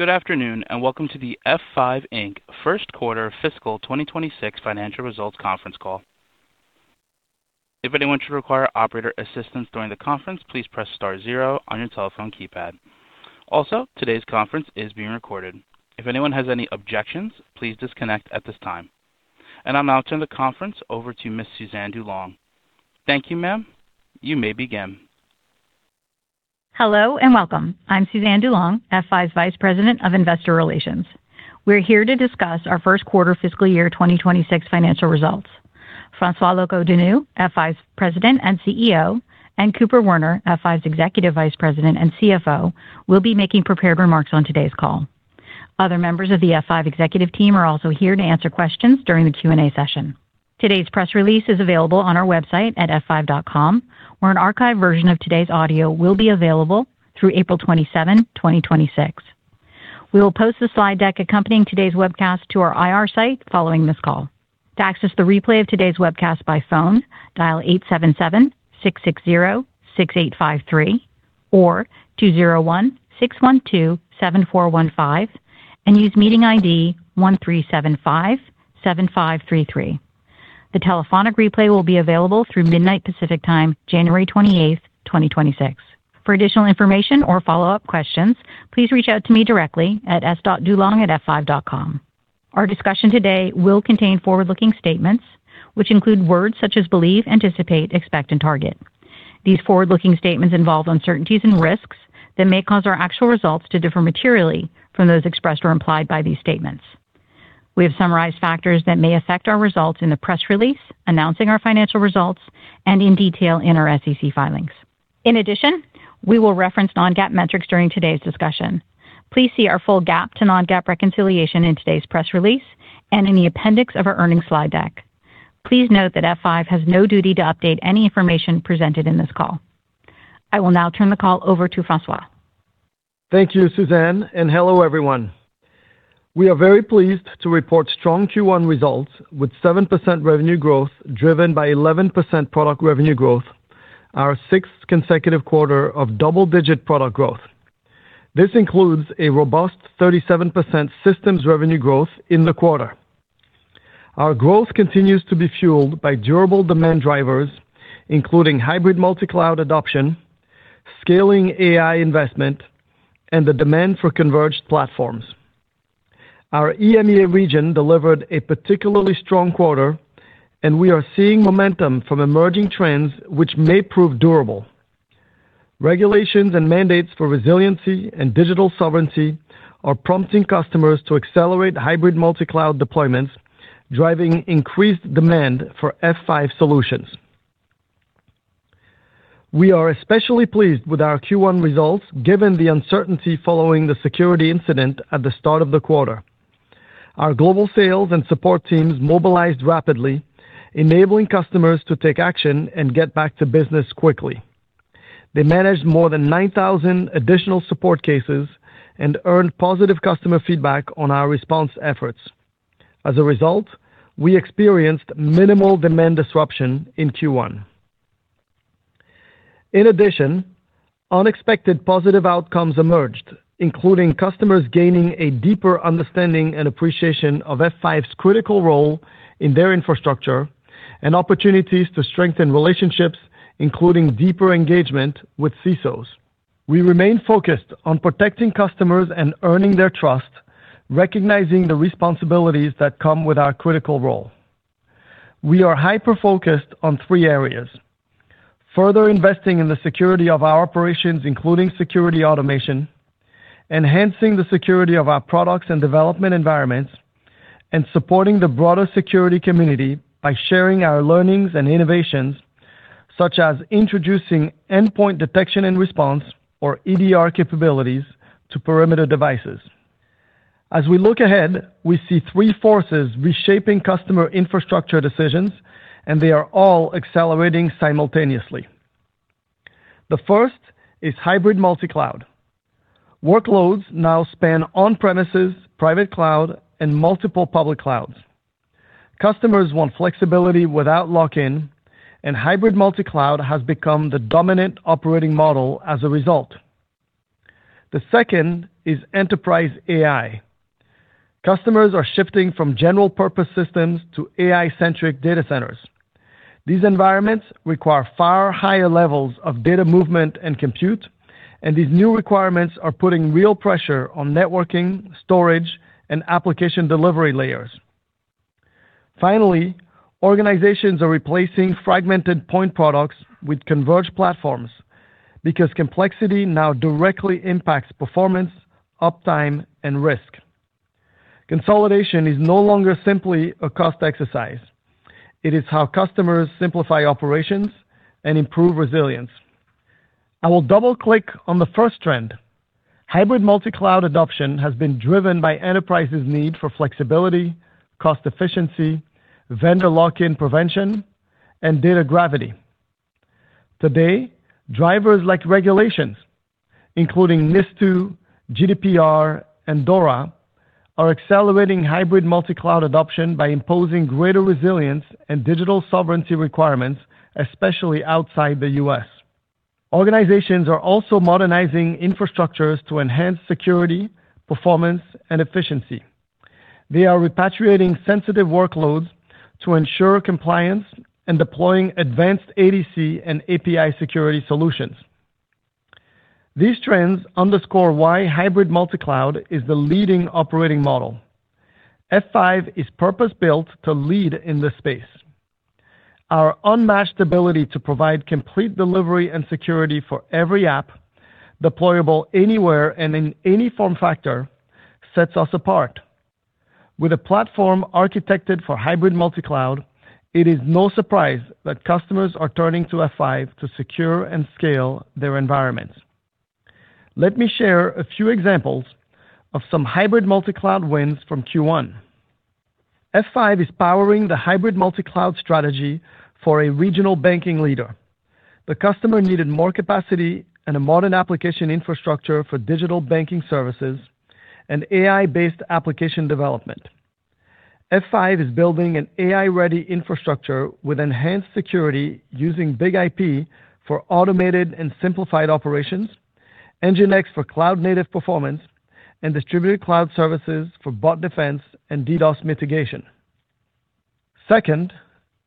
Good afternoon, and welcome to the F5 Inc. First Quarter Fiscal 2026 Financial Results Conference Call. If anyone should require operator assistance during the conference, please press star zero on your telephone keypad. Also, today's conference is being recorded. If anyone has any objections, please disconnect at this time. And I'll now turn the conference over to Ms. Suzanne DuLong. Thank you, ma'am. You may begin. Hello, and welcome. I'm Suzanne DuLong, F5's Vice President of Investor Relations. We're here to discuss our First Quarter Fiscal Year 2026 Financial Results. François Locoh-Donou, F5's President and CEO, and Cooper Werner, F5's Executive Vice President and CFO, will be making prepared remarks on today's call. Other members of the F5 executive team are also here to answer questions during the Q&A session. Today's press release is available on our website at f5.com, where an archived version of today's audio will be available through April 27, 2026. We will post the slide deck accompanying today's webcast to our IR site following this call. To access the replay of today's webcast by phone, dial 877-660-6853 or 201-612-7415 and use meeting ID 13757533. The telephonic replay will be available through midnight Pacific Time, January 28th, 2026. For additional information or follow-up questions, please reach out to me directly at s.dulong@f5.com. Our discussion today will contain forward-looking statements, which include words such as believe, anticipate, expect, and target. These forward-looking statements involve uncertainties and risks that may cause our actual results to differ materially from those expressed or implied by these statements. We have summarized factors that may affect our results in the press release, announcing our financial results, and in detail in our SEC filings. In addition, we will reference non-GAAP metrics during today's discussion. Please see our full GAAP to non-GAAP reconciliation in today's press release and in the appendix of our earnings slide deck. Please note that F5 has no duty to update any information presented in this call. I will now turn the call over to François. Thank you, Suzanne, and hello, everyone. We are very pleased to report strong Q1 results with 7% revenue growth, driven by 11% product revenue growth, our 6th consecutive quarter of double-digit product growth. This includes a robust 37% systems revenue growth in the quarter. Our growth continues to be fueled by durable demand drivers, including hybrid multi-cloud adoption, scaling AI investment, and the demand for converged platforms. Our EMEA region delivered a particularly strong quarter, and we are seeing momentum from emerging trends which may prove durable. Regulations and mandates for resiliency and digital sovereignty are prompting customers to accelerate hybrid multi-cloud deployments, driving increased demand for F5 solutions. We are especially pleased with our Q1 results, given the uncertainty following the security incident at the start of the quarter. Our global sales and support teams mobilized rapidly, enabling customers to take action and get back to business quickly. They managed more than 9,000 additional support cases and earned positive customer feedback on our response efforts. As a result, we experienced minimal demand disruption in Q1. In addition, unexpected positive outcomes emerged, including customers gaining a deeper understanding and appreciation of F5's critical role in their infrastructure and opportunities to strengthen relationships, including deeper engagement with CISOs. We remain focused on protecting customers and earning their trust, recognizing the responsibilities that come with our critical role. We are hyper-focused on three areas: further investing in the security of our operations, including security automation, enhancing the security of our products and development environments, and supporting the broader security community by sharing our learnings and innovations, such as introducing Endpoint Detection and Response or EDR capabilities to perimeter devices. As we look ahead, we see three forces reshaping customer infrastructure decisions, and they are all accelerating simultaneously. The first is hybrid multi-cloud. Workloads now span on-premises, private cloud, and multiple public clouds. Customers want flexibility without lock-in, and hybrid multi-cloud has become the dominant operating model as a result. The second is Enterprise AI. Customers are shifting from general-purpose systems to AI-centric data centers. These environments require far higher levels of data movement and compute, and these new requirements are putting real pressure on networking, storage, and application delivery layers. Finally, organizations are replacing fragmented point products with converged platforms because complexity now directly impacts performance, uptime, and risk. Consolidation is no longer simply a cost exercise. It is how customers simplify operations and improve resilience. I will double-click on the first trend. Hybrid multi-cloud adoption has been driven by enterprises' need for flexibility, cost efficiency, vendor lock-in prevention, and data gravity. Today, drivers like regulations, including NIS2, GDPR, and DORA, are accelerating hybrid multi-cloud adoption by imposing greater resilience and digital sovereignty requirements, especially outside the U.S. Organizations are also modernizing infrastructures to enhance security, performance, and efficiency. They are repatriating sensitive workloads to ensure compliance and deploying advanced ADC and API security solutions. These trends underscore why hybrid multi-cloud is the leading operating model. F5 is purpose-built to lead in this space. Our unmatched ability to provide complete delivery and security for every app, deployable anywhere and in any form factor, sets us apart. With a platform architected for hybrid multi-cloud, it is no surprise that customers are turning to F5 to secure and scale their environments. Let me share a few examples of some hybrid multi-cloud wins from Q1. F5 is powering the hybrid multi-cloud strategy for a regional banking leader. The customer needed more capacity and a modern application infrastructure for digital banking services and AI-based application development. F5 is building an AI-ready infrastructure with enhanced security using BIG-IP for automated and simplified operations, NGINX for cloud-native performance, and Distributed Cloud Services for Bot Defense and DDoS mitigation. Second,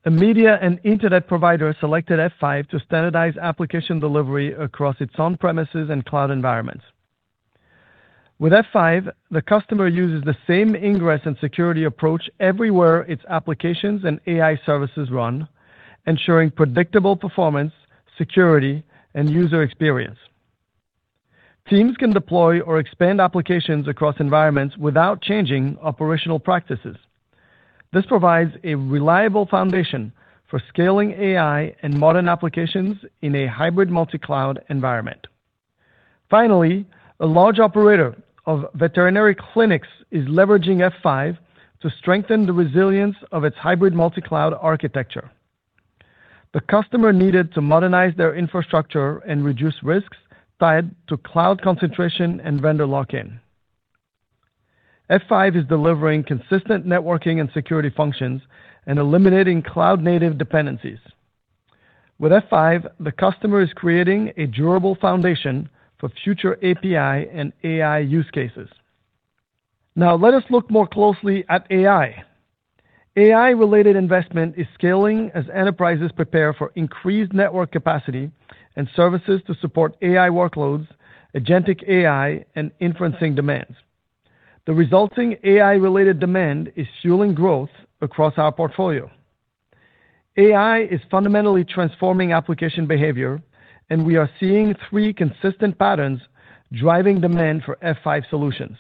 a media and internet provider selected F5 to standardize application delivery across its on-premises and cloud environments. With F5, the customer uses the same ingress and security approach everywhere its applications and AI services run, ensuring predictable performance, security, and user experience. Teams can deploy or expand applications across environments without changing operational practices. This provides a reliable foundation for scaling AI and modern applications in a hybrid multi-cloud environment. Finally, a large operator of veterinary clinics is leveraging F5 to strengthen the resilience of its hybrid multi-cloud architecture. The customer needed to modernize their infrastructure and reduce risks tied to cloud concentration and vendor lock-in. F5 is delivering consistent networking and security functions and eliminating cloud-native dependencies. With F5, the customer is creating a durable foundation for future API and AI use cases. Now, let us look more closely at AI. AI-related investment is scaling as enterprises prepare for increased network capacity and services to support AI workloads, agentic AI, and inferencing demands. The resulting AI-related demand is fueling growth across our portfolio. AI is fundamentally transforming application behavior, and we are seeing three consistent patterns driving demand for F5 solutions.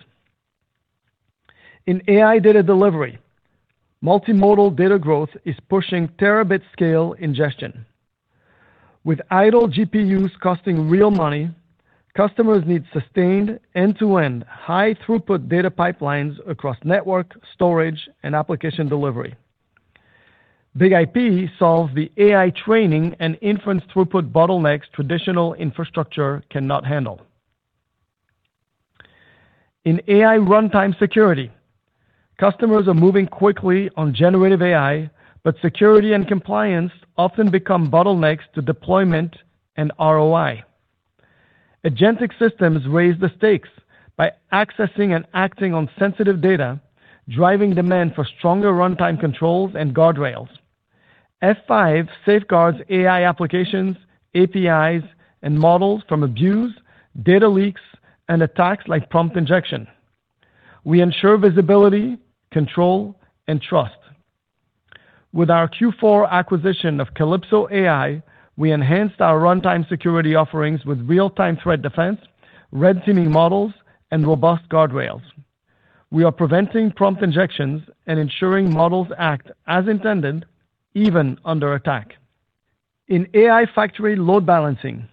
In AI data delivery, multimodal data growth is pushing terabit-scale ingestion. With idle GPUs costing real money, customers need sustained end-to-end, high-throughput data pipelines across network, storage, and application delivery. BIG-IP solves the AI training and inference throughput bottlenecks traditional infrastructure cannot handle. In AI runtime security, customers are moving quickly on generative AI, but security and compliance often become bottlenecks to deployment and ROI. Agentic systems raise the stakes by accessing and acting on sensitive data, driving demand for stronger runtime controls and guardrails. F5 safeguards AI applications, APIs, and models from abuse, data leaks, and attacks like prompt injection. We ensure visibility, control, and trust. With our Q4 acquisition of CalypsoAI, we enhanced our runtime security offerings with real-time threat defense, red teaming models, and robust guardrails. We are preventing prompt injections and ensuring models act as intended, even under attack. In AI factory load balancing,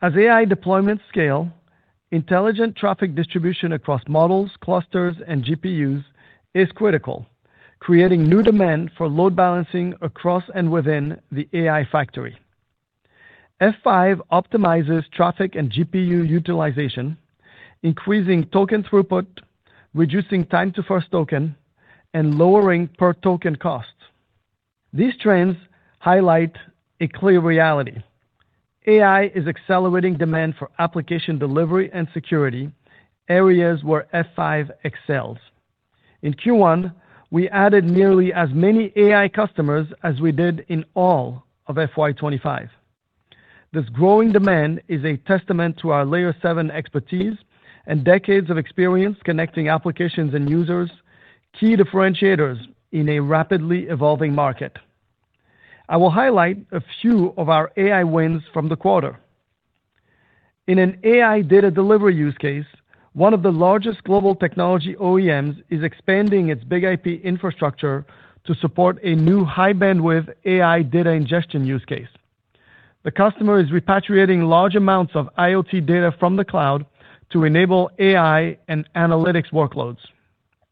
as AI deployments scale, intelligent traffic distribution across models, clusters, and GPUs is critical, creating new demand for load balancing across and within the AI factory. F5 optimizes traffic and GPU utilization, increasing token throughput, reducing time to first token, and lowering per-token costs. These trends highlight a clear reality: AI is accelerating demand for application delivery and security, areas where F5 excels. In Q1, we added nearly as many AI customers as we did in all of FY 2025. This growing demand is a testament to our Layer 7 expertise and decades of experience connecting applications and users, key differentiators in a rapidly evolving market. I will highlight a few of our AI wins from the quarter. In an AI data delivery use case, one of the largest global technology OEMs is expanding its BIG-IP infrastructure to support a new high-bandwidth AI data ingestion use case. The customer is repatriating large amounts of IoT data from the cloud to enable AI and analytics workloads.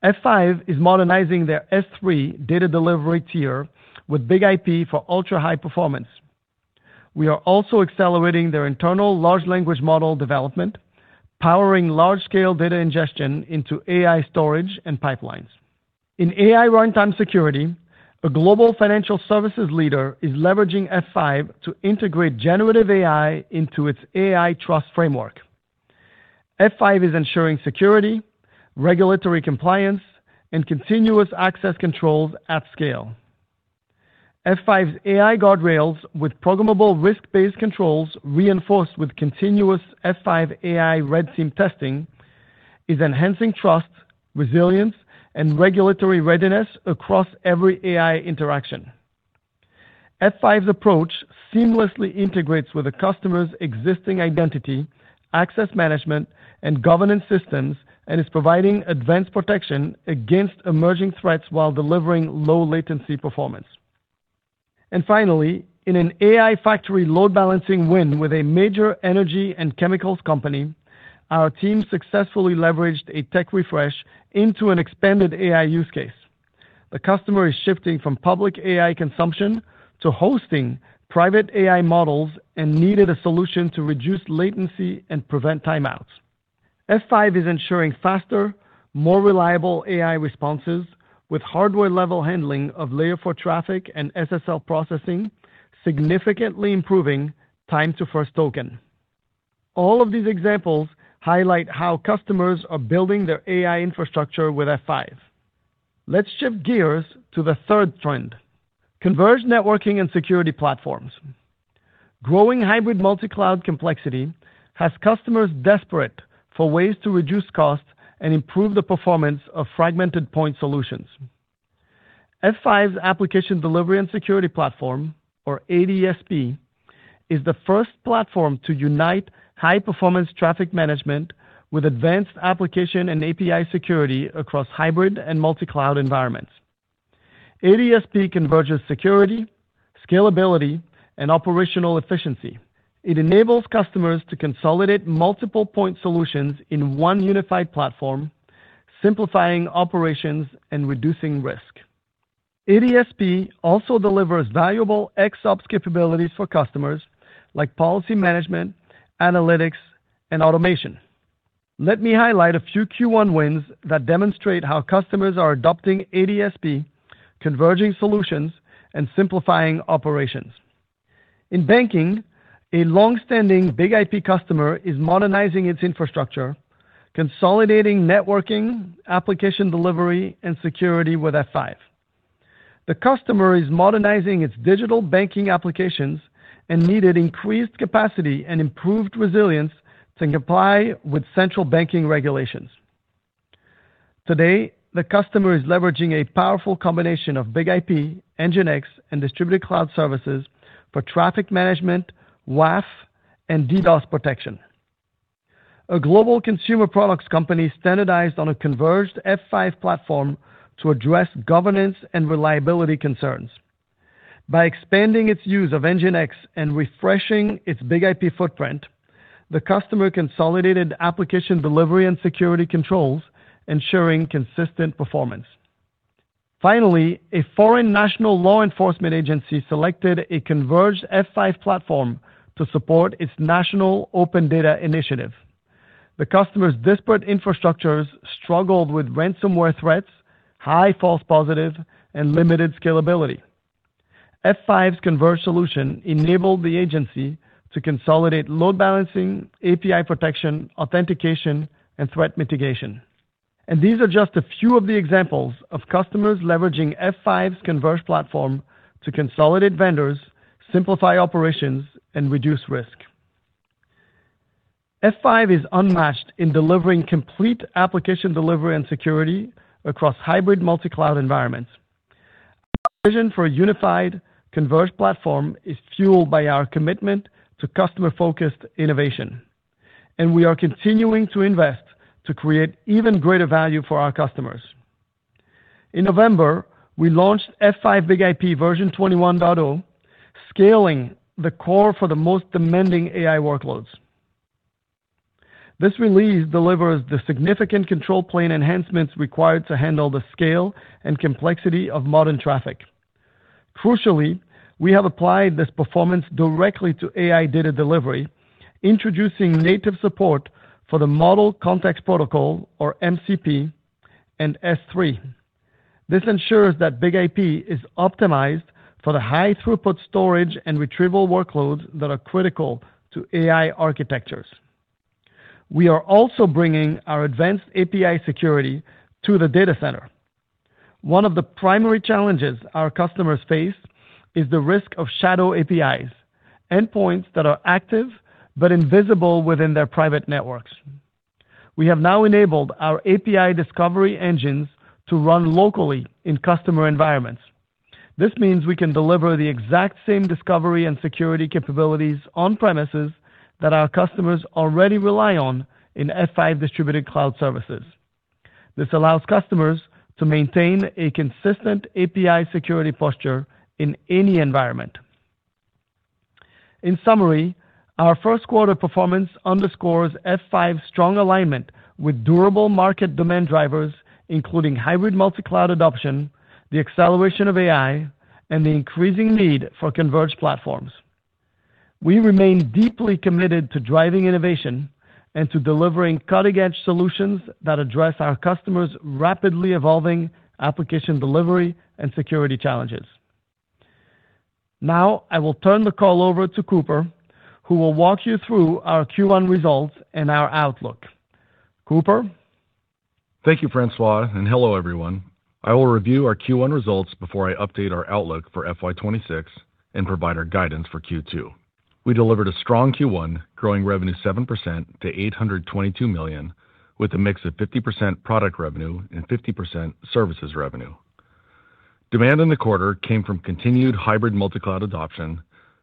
F5 is modernizing their S3 data delivery tier with BIG-IP for ultra-high performance... We are also accelerating their internal large language model development, powering large-scale data ingestion into AI storage and pipelines. In AI runtime security, a global financial services leader is leveraging F5 to integrate generative AI into its AI trust framework. F5 is ensuring security, regulatory compliance, and continuous access controls at scale. F5's AI Guardrails with programmable risk-based controls, reinforced with continuous F5 AI Red Team testing, is enhancing trust, resilience, and regulatory readiness across every AI interaction. F5's approach seamlessly integrates with a customer's existing identity, access management, and governance systems, and is providing advanced protection against emerging threats while delivering low latency performance. And finally, in an AI factory load balancing win with a major energy and chemicals company, our team successfully leveraged a tech refresh into an expanded AI use case. The customer is shifting from public AI consumption to hosting private AI models and needed a solution to reduce latency and prevent timeouts. F5 is ensuring faster, more reliable AI responses with hardware-level handling of layer four traffic and SSL processing, significantly improving time to first token. All of these examples highlight how customers are building their AI infrastructure with F5. Let's shift gears to the third trend, converged networking and security platforms. Growing hybrid multi-cloud complexity has customers desperate for ways to reduce costs and improve the performance of fragmented point solutions. F5's Application Delivery and Security Platform, or ADSP, is the first platform to unite high-performance traffic management with advanced application and API security across hybrid and multi-cloud environments. ADSP converges security, scalability, and operational efficiency. It enables customers to consolidate multiple point solutions in one unified platform, simplifying operations and reducing risk. ADSP also delivers valuable XOps capabilities for customers like policy management, analytics, and automation. Let me highlight a few Q1 wins that demonstrate how customers are adopting ADSP, converging solutions, and simplifying operations. In banking, a long-standing BIG-IP customer is modernizing its infrastructure, consolidating networking, application delivery, and security with F5. The customer is modernizing its digital banking applications and needed increased capacity and improved resilience to comply with central banking regulations. Today, the customer is leveraging a powerful combination of BIG-IP, NGINX, and Distributed Cloud Services for traffic management, WAF, and DDoS protection. A global consumer products company standardized on a converged F5 platform to address governance and reliability concerns. By expanding its use of NGINX and refreshing its BIG-IP footprint, the customer consolidated application delivery and security controls, ensuring consistent performance. Finally, a foreign national law enforcement agency selected a converged F5 platform to support its national open data initiative. The customer's disparate infrastructures struggled with ransomware threats, high false positive, and limited scalability. F5's converged solution enabled the agency to consolidate load balancing, API protection, authentication, and threat mitigation. These are just a few of the examples of customers leveraging F5's converged platform to consolidate vendors, simplify operations, and reduce risk. F5 is unmatched in delivering complete application delivery and security across hybrid multi-cloud environments. Our vision for a unified, converged platform is fueled by our commitment to customer-focused innovation, and we are continuing to invest to create even greater value for our customers. In November, we launched F5 BIG-IP version 21.0, scaling the core for the most demanding AI workloads. This release delivers the significant control plane enhancements required to handle the scale and complexity of modern traffic. Crucially, we have applied this performance directly to AI data delivery, introducing native support for the Model Context Protocol, or MCP, and S3. This ensures that BIG-IP is optimized for the high-throughput storage and retrieval workloads that are critical to AI architectures. We are also bringing our advanced API Security to the data center. One of the primary challenges our customers face is the risk of Shadow APIs, endpoints that are active but invisible within their private networks. We have now enabled our API discovery engines to run locally in customer environments. This means we can deliver the exact same discovery and security capabilities on premises that our customers already rely on in F5 Distributed Cloud Services. This allows customers to maintain a consistent API Security posture in any environment. In summary, our first quarter performance underscores F5's strong alignment with durable market demand drivers, including hybrid multi-cloud adoption, the acceleration of AI, and the increasing need for converged platforms. We remain deeply committed to driving innovation and to delivering cutting-edge solutions that address our customers' rapidly evolving application delivery and security challenges. Now, I will turn the call over to Cooper, who will walk you through our Q1 results and our outlook. Cooper? Thank you, François, and hello, everyone. I will review our Q1 results before I update our outlook for FY 2026 and provide our guidance for Q2. We delivered a strong Q1, growing revenue 7% to $822 million, with a mix of 50% product revenue and 50% services revenue. Demand in the quarter came from continued hybrid multi-cloud adoption,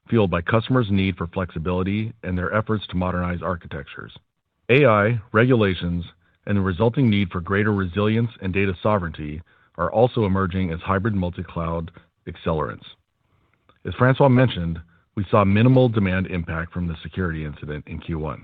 fueled by customers' need for flexibility and their efforts to modernize architectures. AI, regulations, and the resulting need for greater resilience and data sovereignty are also emerging as hybrid multi-cloud accelerants. As François mentioned, we saw minimal demand impact from the security incident in Q1.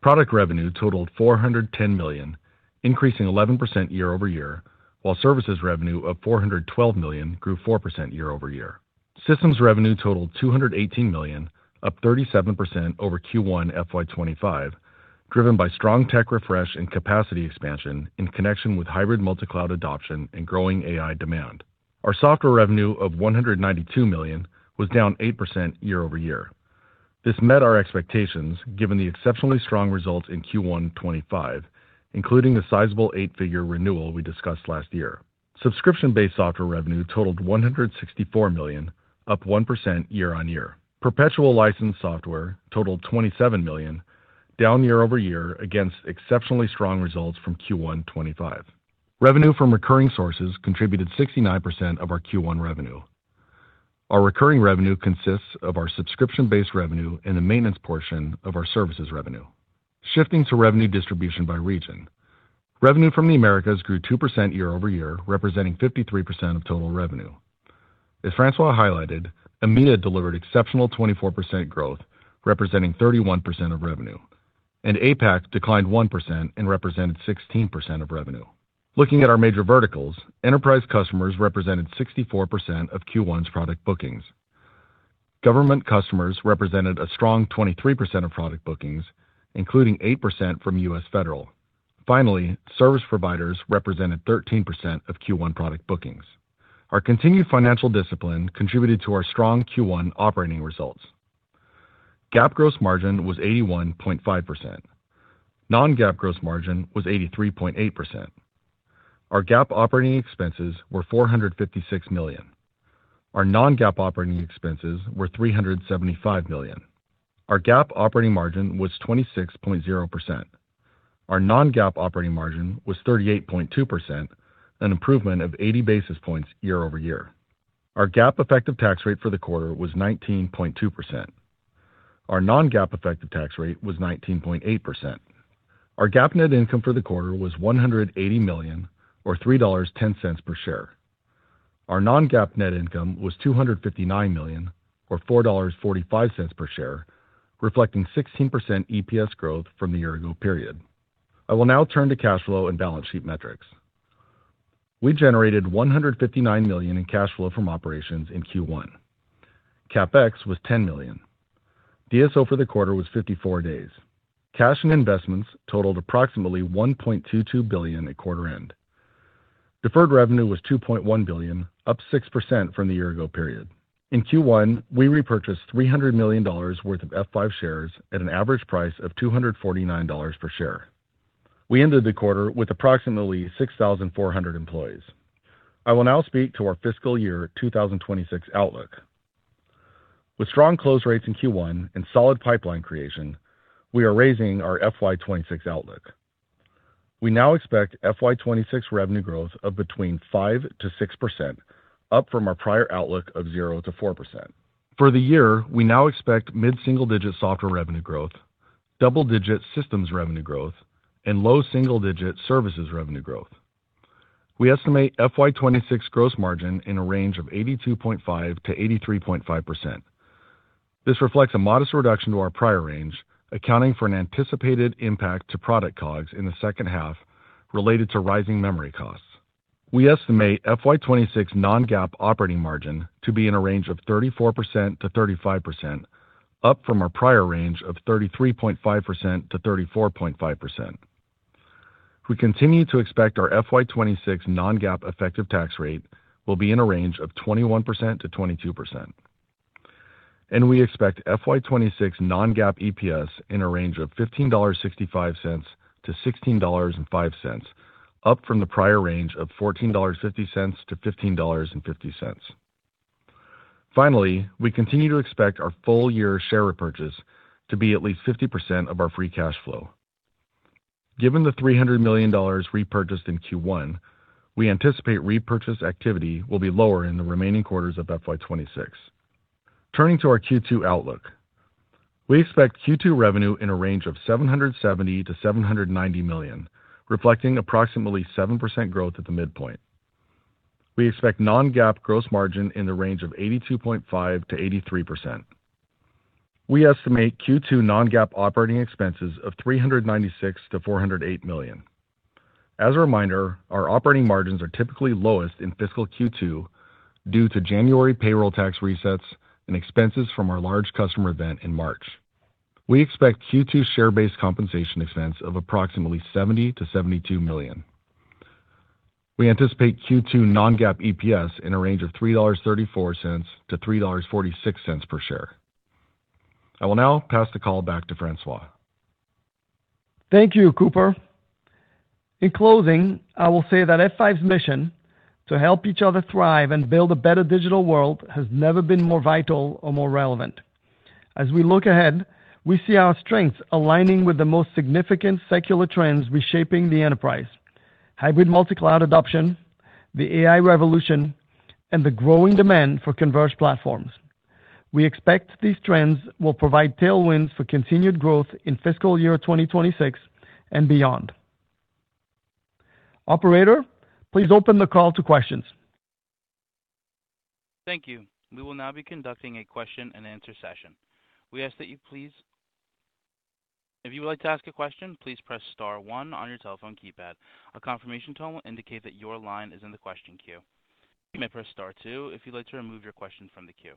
Product revenue totaled $410 million, increasing 11% year-over-year, while services revenue of $412 million grew 4% year-over-year. Systems revenue totaled $218 million, up 37% over Q1 FY 2025, driven by strong tech refresh and capacity expansion in connection with hybrid multi-cloud adoption and growing AI demand. Our software revenue of $192 million was down 8% year-over-year. This met our expectations, given the exceptionally strong results in Q1 25, including the sizable eight-figure renewal we discussed last year. Subscription-based software revenue totaled $164 million, up 1% year-over-year. Perpetual licensed software totaled $27 million, down year-over-year against exceptionally strong results from Q1 2025. Revenue from recurring sources contributed 69% of our Q1 revenue. Our recurring revenue consists of our subscription-based revenue and the maintenance portion of our services revenue. Shifting to revenue distribution by region. Revenue from the Americas grew 2% year-over-year, representing 53% of total revenue. As François highlighted, EMEA delivered exceptional 24% growth, representing 31% of revenue, and APAC declined 1% and represented 16% of revenue. Looking at our major verticals, enterprise customers represented 64% of Q1's product bookings. Government customers represented a strong 23% of product bookings, including 8% from U.S. Federal. Finally, service providers represented 13% of Q1 product bookings. Our continued financial discipline contributed to our strong Q1 operating results. GAAP gross margin was 81.5%. Non-GAAP gross margin was 83.8%. Our GAAP operating expenses were $456 million. Our non-GAAP operating expenses were $375 million. Our GAAP operating margin was 26.0%. Our non-GAAP operating margin was 38.2%, an improvement of 80 basis points year-over-year. Our GAAP effective tax rate for the quarter was 19.2%. Our non-GAAP effective tax rate was 19.8%. Our GAAP net income for the quarter was $180 million, or $3.10 per share. Our non-GAAP net income was $259 million, or $4.45 per share, reflecting 16% EPS growth from the year ago period. I will now turn to cash flow and balance sheet metrics. We generated $159 million in cash flow from operations in Q1. CapEx was $10 million. DSO for the quarter was 54 days. Cash and investments totaled approximately $1.22 billion at quarter end. Deferred revenue was $2.1 billion, up 6% from the year ago period. In Q1, we repurchased $300 million worth of F5 shares at an average price of $249 per share. We ended the quarter with approximately 6,400 employees. I will now speak to our fiscal year 2026 outlook. With strong close rates in Q1 and solid pipeline creation, we are raising our FY 2026 outlook. We now expect FY 2026 revenue growth of between 5%-6%, up from our prior outlook of 0%-4%. For the year, we now expect mid-single-digit software revenue growth, double-digit systems revenue growth, and low single-digit services revenue growth. We estimate FY 2026 gross margin in a range of 82.5%-83.5%. This reflects a modest reduction to our prior range, accounting for an anticipated impact to product COGS in the second half related to rising memory costs. We estimate FY 2026 non-GAAP operating margin to be in a range of 34%-35%, up from our prior range of 33.5%-34.5%. We continue to expect our FY 2026 non-GAAP effective tax rate will be in a range of 21%-22%, and we expect FY 2026 non-GAAP EPS in a range of $15.65-$16.05, up from the prior range of $14.50-$15.50. Finally, we continue to expect our full year share repurchase to be at least 50% of our free cash flow. Given the $300 million repurchased in Q1, we anticipate repurchase activity will be lower in the remaining quarters of FY 2026. Turning to our Q2 outlook, we expect Q2 revenue in a range of $770 million-$790 million, reflecting approximately 7% growth at the midpoint. We expect non-GAAP gross margin in the range of 82.5%-83%. We estimate Q2 non-GAAP operating expenses of $396 million-$408 million. As a reminder, our operating margins are typically lowest in fiscal Q2 due to January payroll tax resets and expenses from our large customer event in March. We expect Q2 share-based compensation expense of approximately $70 million-$72 million. We anticipate Q2 non-GAAP EPS in a range of $3.34-$3.46 per share. I will now pass the call back to François. Thank you, Cooper. In closing, I will say that F5's mission to help each other thrive and build a better digital world has never been more vital or more relevant. As we look ahead, we see our strengths aligning with the most significant secular trends reshaping the enterprise: hybrid multi-cloud adoption, the AI revolution, and the growing demand for converged platforms. We expect these trends will provide tailwinds for continued growth in fiscal year 2026 and beyond. Operator, please open the call to questions. Thank you. We will now be conducting a question-and-answer session. We ask that you please. If you would like to ask a question, please press star one on your telephone keypad. A confirmation tone will indicate that your line is in the question queue. You may press star two if you'd like to remove your question from the queue.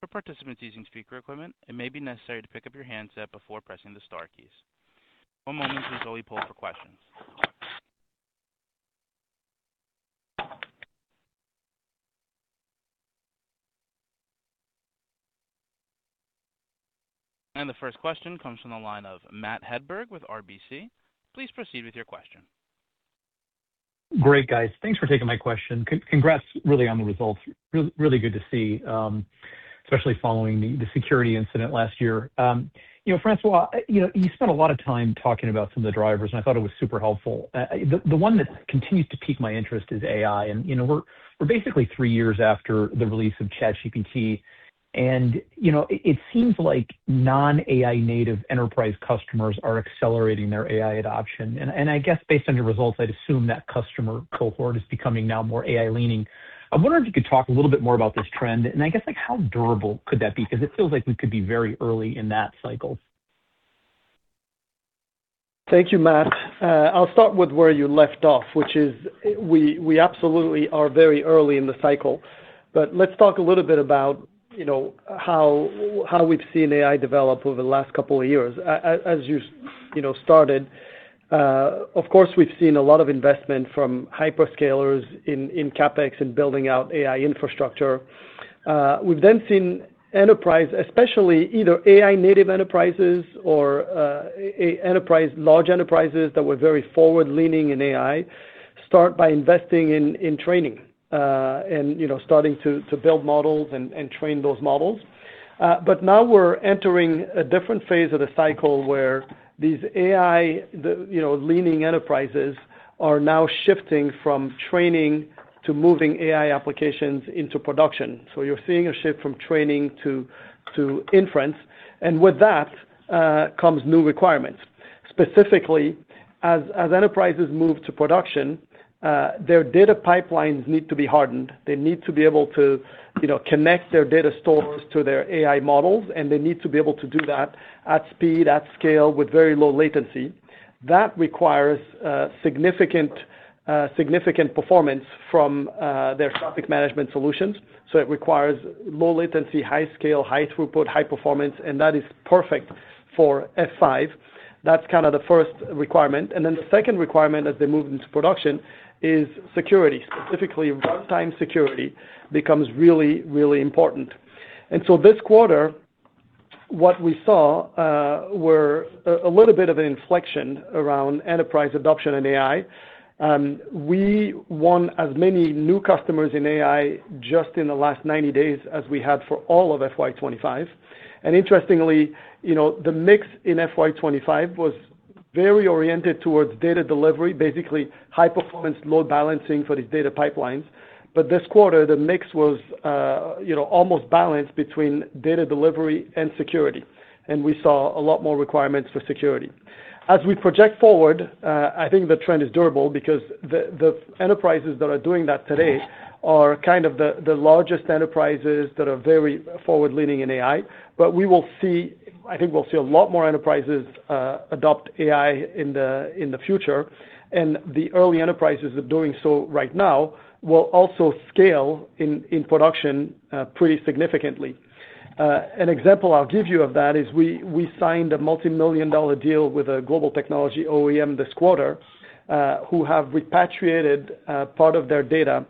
For participants using speaker equipment, it may be necessary to pick up your handset before pressing the star keys. One moment as we poll for questions. The first question comes from the line of Matt Hedberg with RBC. Please proceed with your question. Great, guys. Thanks for taking my question. Congrats, really, on the results. Really, really good to see, especially following the security incident last year. You know, François, you know, you spent a lot of time talking about some of the drivers, and I thought it was super helpful. The one that continues to pique my interest is AI. And, you know, we're, we're basically three years after the release of ChatGPT, and, you know, it, it seems like non-AI native enterprise customers are accelerating their AI adoption. And I guess based on your results, I'd assume that customer cohort is becoming now more AI-leaning. I'm wondering if you could talk a little bit more about this trend, and I guess, like, how durable could that be? Because it feels like we could be very early in that cycle. Thank you, Matt. I'll start with where you left off, which is we absolutely are very early in the cycle. But let's talk a little bit about, you know, how we've seen AI develop over the last couple of years. As you know, started, of course, we've seen a lot of investment from hyperscalers in CapEx and building out AI infrastructure. We've then seen enterprise, especially either AI native enterprises or enterprise, large enterprises that were very forward-leaning in AI, start by investing in training, and, you know, starting to build models and train those models. But now we're entering a different phase of the cycle where these AI leaning enterprises are now shifting from training to moving AI applications into production. So you're seeing a shift from training to inference, and with that comes new requirements. Specifically, as enterprises move to production, their data pipelines need to be hardened. They need to be able to, you know, connect their data stores to their AI models, and they need to be able to do that at speed, at scale, with very low latency. That requires significant, significant performance from their traffic management solutions. So it requires low latency, high scale, high throughput, high performance, and that is perfect for F5. That's kind of the first requirement. And then the second requirement as they move into production is security. Specifically, runtime security becomes really, really important. And so this quarter, what we saw were a little bit of an inflection around enterprise adoption in AI. We won as many new customers in AI just in the last 90 days as we had for all of FY 2025. And interestingly, you know, the mix in FY 2025 was very oriented towards data delivery, basically high performance, load balancing for these data pipelines. But this quarter, the mix was, you know, almost balanced between data delivery and security, and we saw a lot more requirements for security. As we project forward, I think the trend is durable because the enterprises that are doing that today are kind of the largest enterprises that are very forward-leaning in AI. But we will see. I think we'll see a lot more enterprises adopt AI in the future, and the early enterprises that are doing so right now will also scale in production pretty significantly. An example I'll give you of that is we signed a multimillion-dollar deal with a global technology OEM this quarter, who have repatriated part of their data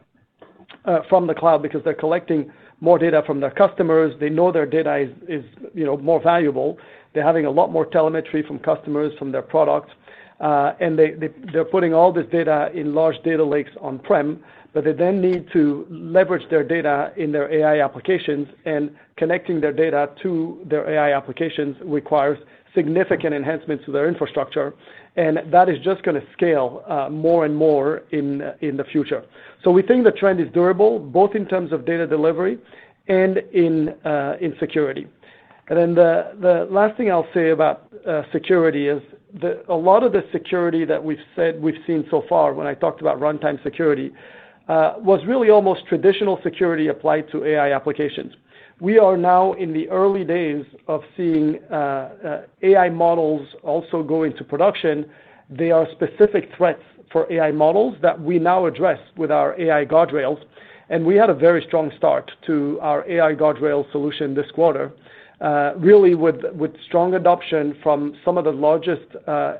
from the cloud because they're collecting more data from their customers. They know their data is, you know, more valuable. They're having a lot more telemetry from customers, from their products, and they're putting all this data in large data lakes on-prem, but they then need to leverage their data in their AI applications, and connecting their data to their AI applications requires significant enhancements to their infrastructure, and that is just gonna scale more and more in the future. So we think the trend is durable, both in terms of data delivery and in security. And then the last thing I'll say about security is a lot of the security that we've said we've seen so far, when I talked about runtime security, was really almost traditional security applied to AI applications. We are now in the early days of seeing AI models also go into production. There are specific threats for AI models that we now address with our AI Guardrails, and we had a very strong start to our AI Guardrail solution this quarter, really with strong adoption from some of the largest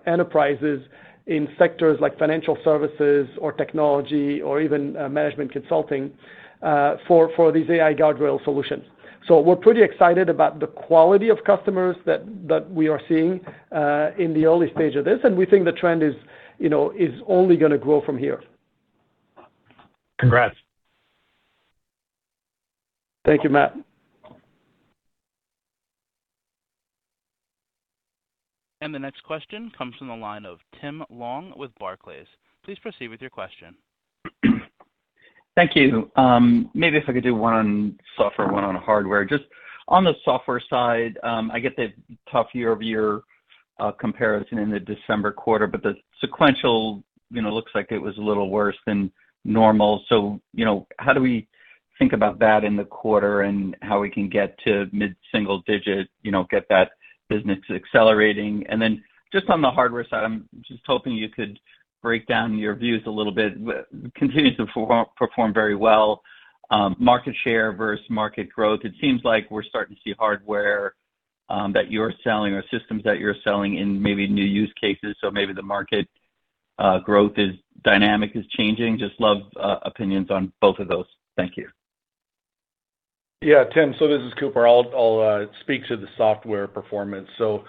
enterprises in sectors like financial services or technology or even management consulting, for these AI Guardrail solutions. So we're pretty excited about the quality of customers that we are seeing in the early stage of this, and we think the trend is, you know, is only gonna grow from here. Congrats. Thank you, Matt. The next question comes from the line of Tim Long with Barclays. Please proceed with your question. Thank you. Maybe if I could do one on software and one on hardware. Just on the software side, I get the tough year-over-year comparison in the December quarter, but the sequential, you know, looks like it was a little worse than normal. So, you know, how do we think about that in the quarter, and how we can get to mid-single-digit, you know, get that business accelerating? And then just on the hardware side, I'm just hoping you could break down your views a little bit. Continues to perform very well. Market share versus market growth. It seems like we're starting to see hardware that you're selling or systems that you're selling in maybe new use cases, so maybe the market growth dynamic is changing. Just love opinions on both of those. Thank you. Yeah, Tim, so this is Cooper. I'll speak to the software performance. So,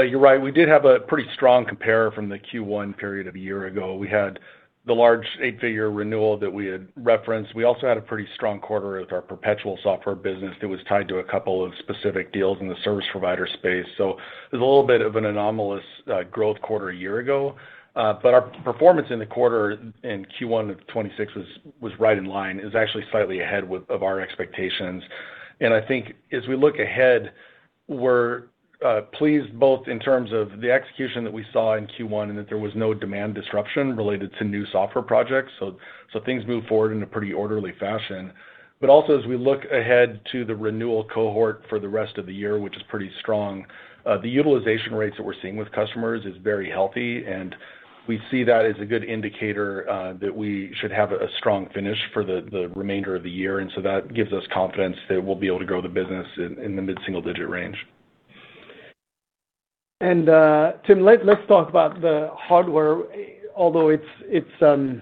you're right, we did have a pretty strong compare from the Q1 period of a year ago. We had the large eight-figure renewal that we had referenced. We also had a pretty strong quarter with our perpetual software business that was tied to a couple of specific deals in the service provider space. So it was a little bit of an anomalous growth quarter a year ago. But our performance in the quarter in Q1 of 2026 was right in line, is actually slightly ahead of our expectations. And I think as we look ahead, we're pleased both in terms of the execution that we saw in Q1, and that there was no demand disruption related to new software projects, so things moved forward in a pretty orderly fashion. But also, as we look ahead to the renewal cohort for the rest of the year, which is pretty strong, the utilization rates that we're seeing with customers is very healthy, and we see that as a good indicator that we should have a strong finish for the remainder of the year. And so that gives us confidence that we'll be able to grow the business in the mid-single-digit range. Tim, let's talk about the hardware. Although the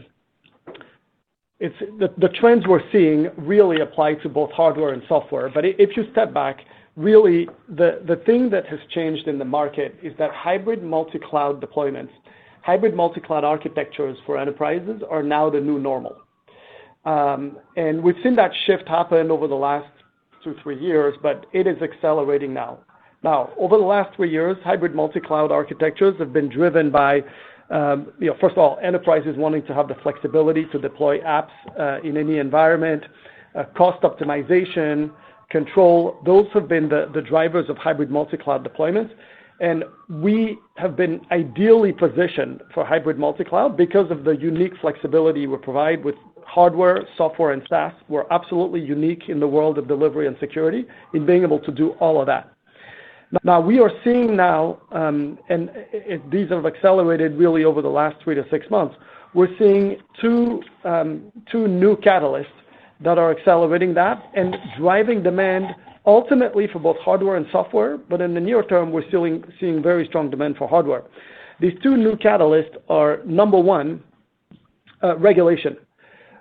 trends we're seeing really apply to both hardware and software. But if you step back, really, the thing that has changed in the market is that hybrid multi-cloud deployments, hybrid multi-cloud architectures for enterprises are now the new normal. And we've seen that shift happen over the last two to three years, but it is accelerating now. Now, over the last three years, hybrid multi-cloud architectures have been driven by, you know, first of all, enterprises wanting to have the flexibility to deploy apps in any environment, cost optimization, control. Those have been the drivers of hybrid multi-cloud deployments. And we have been ideally positioned for hybrid multi-cloud because of the unique flexibility we provide with hardware, software, and SaaS. We're absolutely unique in the world of delivery and security in being able to do all of that. Now, we are seeing, and these have accelerated really over the last three to six months. We're seeing two new catalysts that are accelerating that and driving demand ultimately for both hardware and software, but in the near term, we're still seeing very strong demand for hardware. These two new catalysts are, number one, regulation.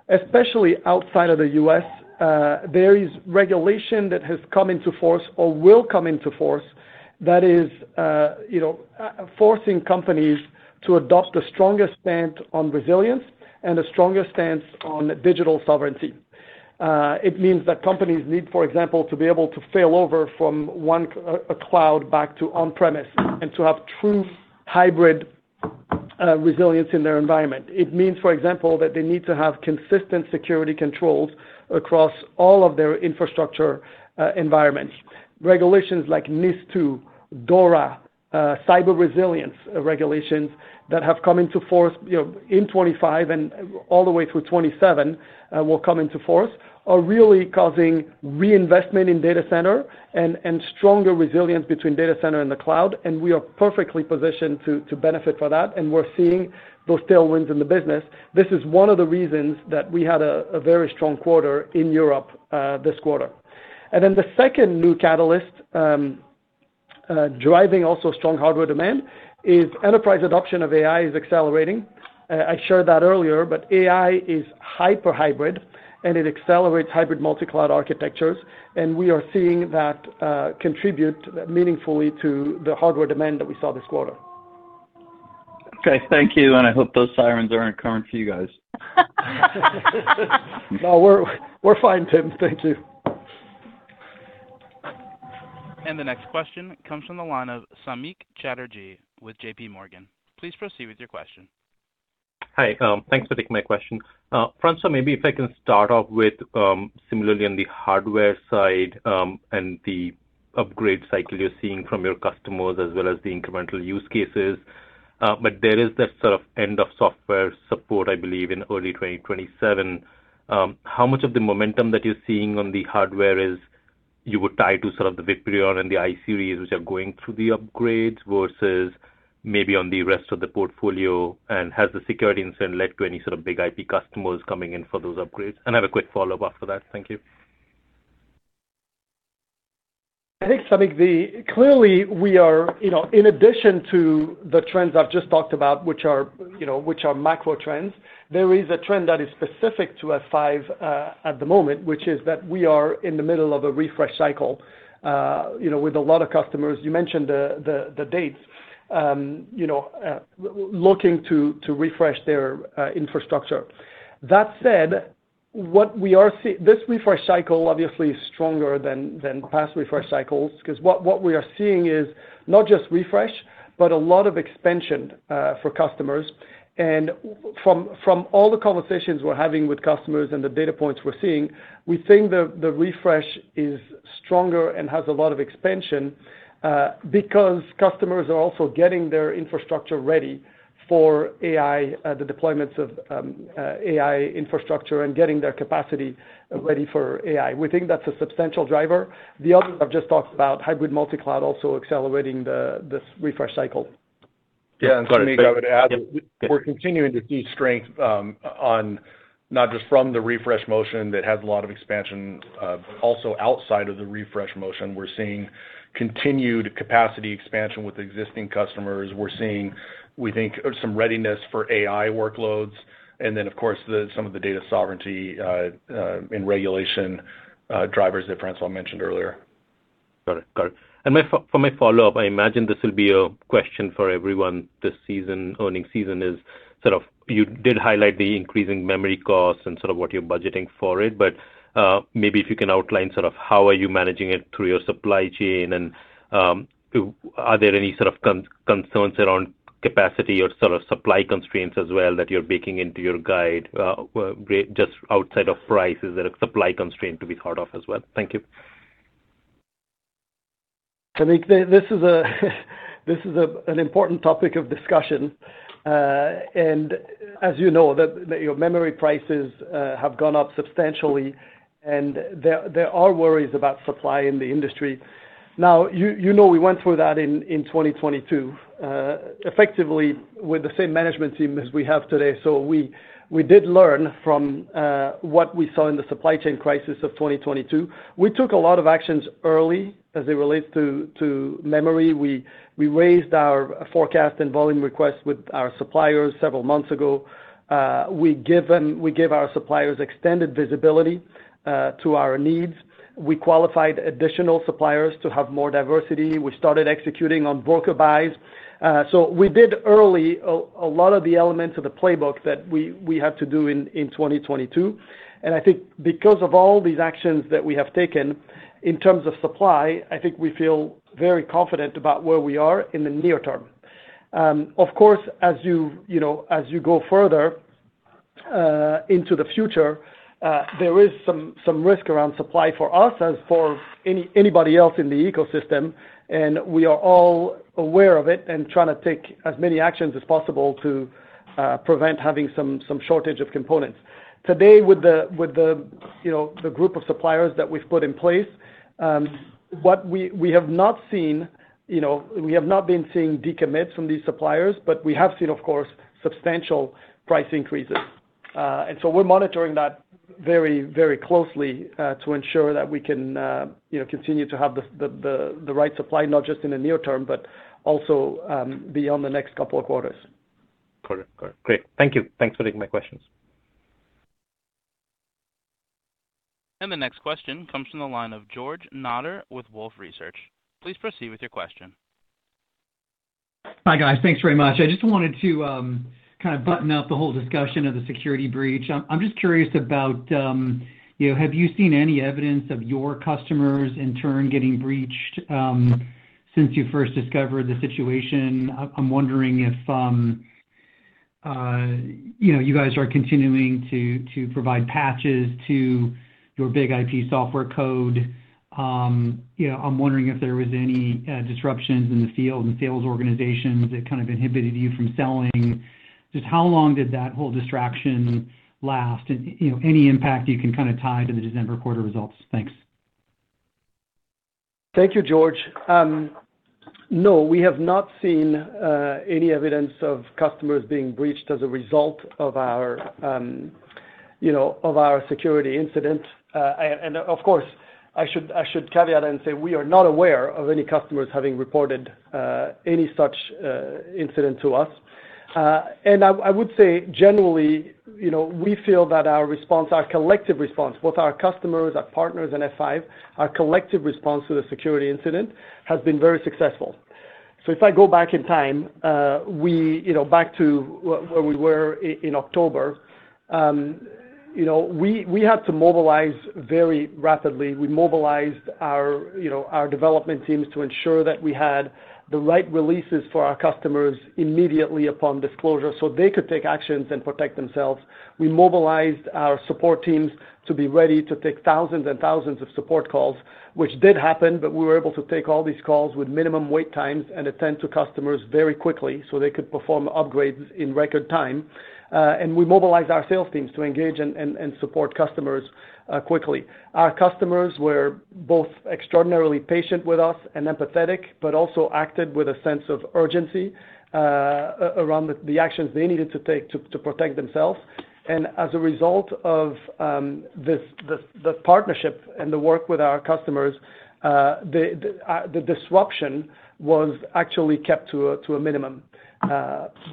Especially outside of the U.S., there is regulation that has come into force or will come into force, that is, you know, forcing companies to adopt a stronger stance on resilience and a stronger stance on digital sovereignty. It means that companies need, for example, to be able to fail over from one, a cloud back to on-premise and to have true hybrid, resilience in their environment. It means, for example, that they need to have consistent security controls across all of their infrastructure, environments. Regulations like NIS2, DORA, cyber resilience regulations that have come into force, you know, in 2025 and all the way through 2027, will come into force, are really causing reinvestment in data center and stronger resilience between data center and the cloud, and we are perfectly positioned to benefit for that, and we're seeing those tailwinds in the business. This is one of the reasons that we had a very strong quarter in Europe, this quarter. And then the second new catalyst, driving also strong hardware demand is enterprise adoption of AI is accelerating. I shared that earlier, but AI is hyper hybrid, and it accelerates hybrid multi-cloud architectures, and we are seeing that, contribute meaningfully to the hardware demand that we saw this quarter. Okay, thank you, and I hope those sirens aren't current for you guys. No, we're, we're fine, Tim. Thank you. The next question comes from the line of Samik Chatterjee with JPMorgan. Please proceed with your question. Hi, thanks for taking my question. François, maybe if I can start off with, similarly on the hardware side, and the upgrade cycle you're seeing from your customers as well as the incremental use cases. But there is that sort of end of software support, I believe, in early 2027. How much of the momentum that you're seeing on the hardware is you would tie to sort of the VIPRION and the iSeries, which are going through the upgrades, versus maybe on the rest of the portfolio? And has the security incident led to any sort of BIG-IP customers coming in for those upgrades? And I have a quick follow-up after that. Thank you. I think, Samik, the clearly, we are, you know, in addition to the trends I've just talked about, which are, you know, which are macro trends, there is a trend that is specific to F5 at the moment, which is that we are in the middle of a refresh cycle, you know, with a lot of customers. You mentioned the dates, you know, looking to refresh their infrastructure. That said, what we are seeing this refresh cycle obviously is stronger than past refresh cycles, because what we are seeing is not just refresh, but a lot of expansion for customers. And from all the conversations we're having with customers and the data points we're seeing, we think the refresh is stronger and has a lot of expansion, because customers are also getting their infrastructure ready for AI, the deployments of AI infrastructure and getting their capacity ready for AI. We think that's a substantial driver. The other I've just talked about, hybrid multi-cloud also accelerating this refresh cycle. Yeah, and Samik, I would add, we're continuing to see strength on not just from the refresh motion that has a lot of expansion, but also outside of the refresh motion. We're seeing continued capacity expansion with existing customers. We're seeing, we think, some readiness for AI workloads, and then, of course, the, some of the data sovereignty and regulation drivers that François mentioned earlier. Got it. Got it. And my follow-up, I imagine this will be a question for everyone this season, earnings season, is sort of you did highlight the increasing memory costs and sort of what you're budgeting for it. But, maybe if you can outline sort of how are you managing it through your supply chain, and, are there any sort of concerns around capacity or sort of supply constraints as well, that you're baking into your guide, just outside of price, is there a supply constraint to be thought of as well? Thank you. Samik, this is an important topic of discussion. And as you know, the memory prices have gone up substantially, and there are worries about supply in the industry. Now, you know, we went through that in 2022, effectively with the same management team as we have today. So we did learn from what we saw in the supply chain crisis of 2022. We took a lot of actions early as it relates to memory. We raised our forecast and volume request with our suppliers several months ago. We give our suppliers extended visibility to our needs. We qualified additional suppliers to have more diversity. We started executing on broker buys. So we did a lot of the elements of the playbook that we had to do in 2022. And I think because of all these actions that we have taken in terms of supply, I think we feel very confident about where we are in the near term. Of course, as you know, as you go further into the future, there is some risk around supply for us as for anybody else in the ecosystem, and we are all aware of it and trying to take as many actions as possible to prevent having some shortage of components. Today, with the you know, the group of suppliers that we've put in place, what have not seen, you know, we have not been seeing decommits from these suppliers, but we have seen, of course, substantial price increases. And so we're monitoring that very, very closely, to ensure that we can, you know, continue to have the right supply, not just in the near term, but also, beyond the next couple of quarters. Correct. Correct. Great. Thank you. Thanks for taking my questions. The next question comes from the line of George Notter with Wolfe Research. Please proceed with your question. Hi, guys. Thanks very much. I just wanted to kind of button up the whole discussion of the security breach. I'm just curious about, you know, have you seen any evidence of your customers in turn getting breached since you first discovered the situation? I'm wondering if, you know, you guys are continuing to provide patches to your BIG-IP software code. You know, I'm wondering if there was any disruptions in the field and sales organizations that kind of inhibited you from selling. Just how long did that whole distraction last? And, you know, any impact you can kind of tie to the December quarter results. Thanks. Thank you, George. No, we have not seen any evidence of customers being breached as a result of our, you know, of our security incident. And, of course, I should caveat and say we are not aware of any customers having reported any such incident to us. And I would say generally, you know, we feel that our response, our collective response, both our customers, our partners and F5, our collective response to the security incident has been very successful. So if I go back in time, we, you know, back to where we were in October. You know, we had to mobilize very rapidly. We mobilized our, you know, our development teams to ensure that we had the right releases for our customers immediately upon disclosure, so they could take actions and protect themselves. We mobilized our support teams to be ready to take thousands and thousands of support calls, which did happen, but we were able to take all these calls with minimum wait times and attend to customers very quickly so they could perform upgrades in record time. And we mobilized our sales teams to engage and support customers quickly. Our customers were both extraordinarily patient with us and empathetic, but also acted with a sense of urgency around the actions they needed to take to protect themselves. And as a result of this, the partnership and the work with our customers, the disruption was actually kept to a minimum.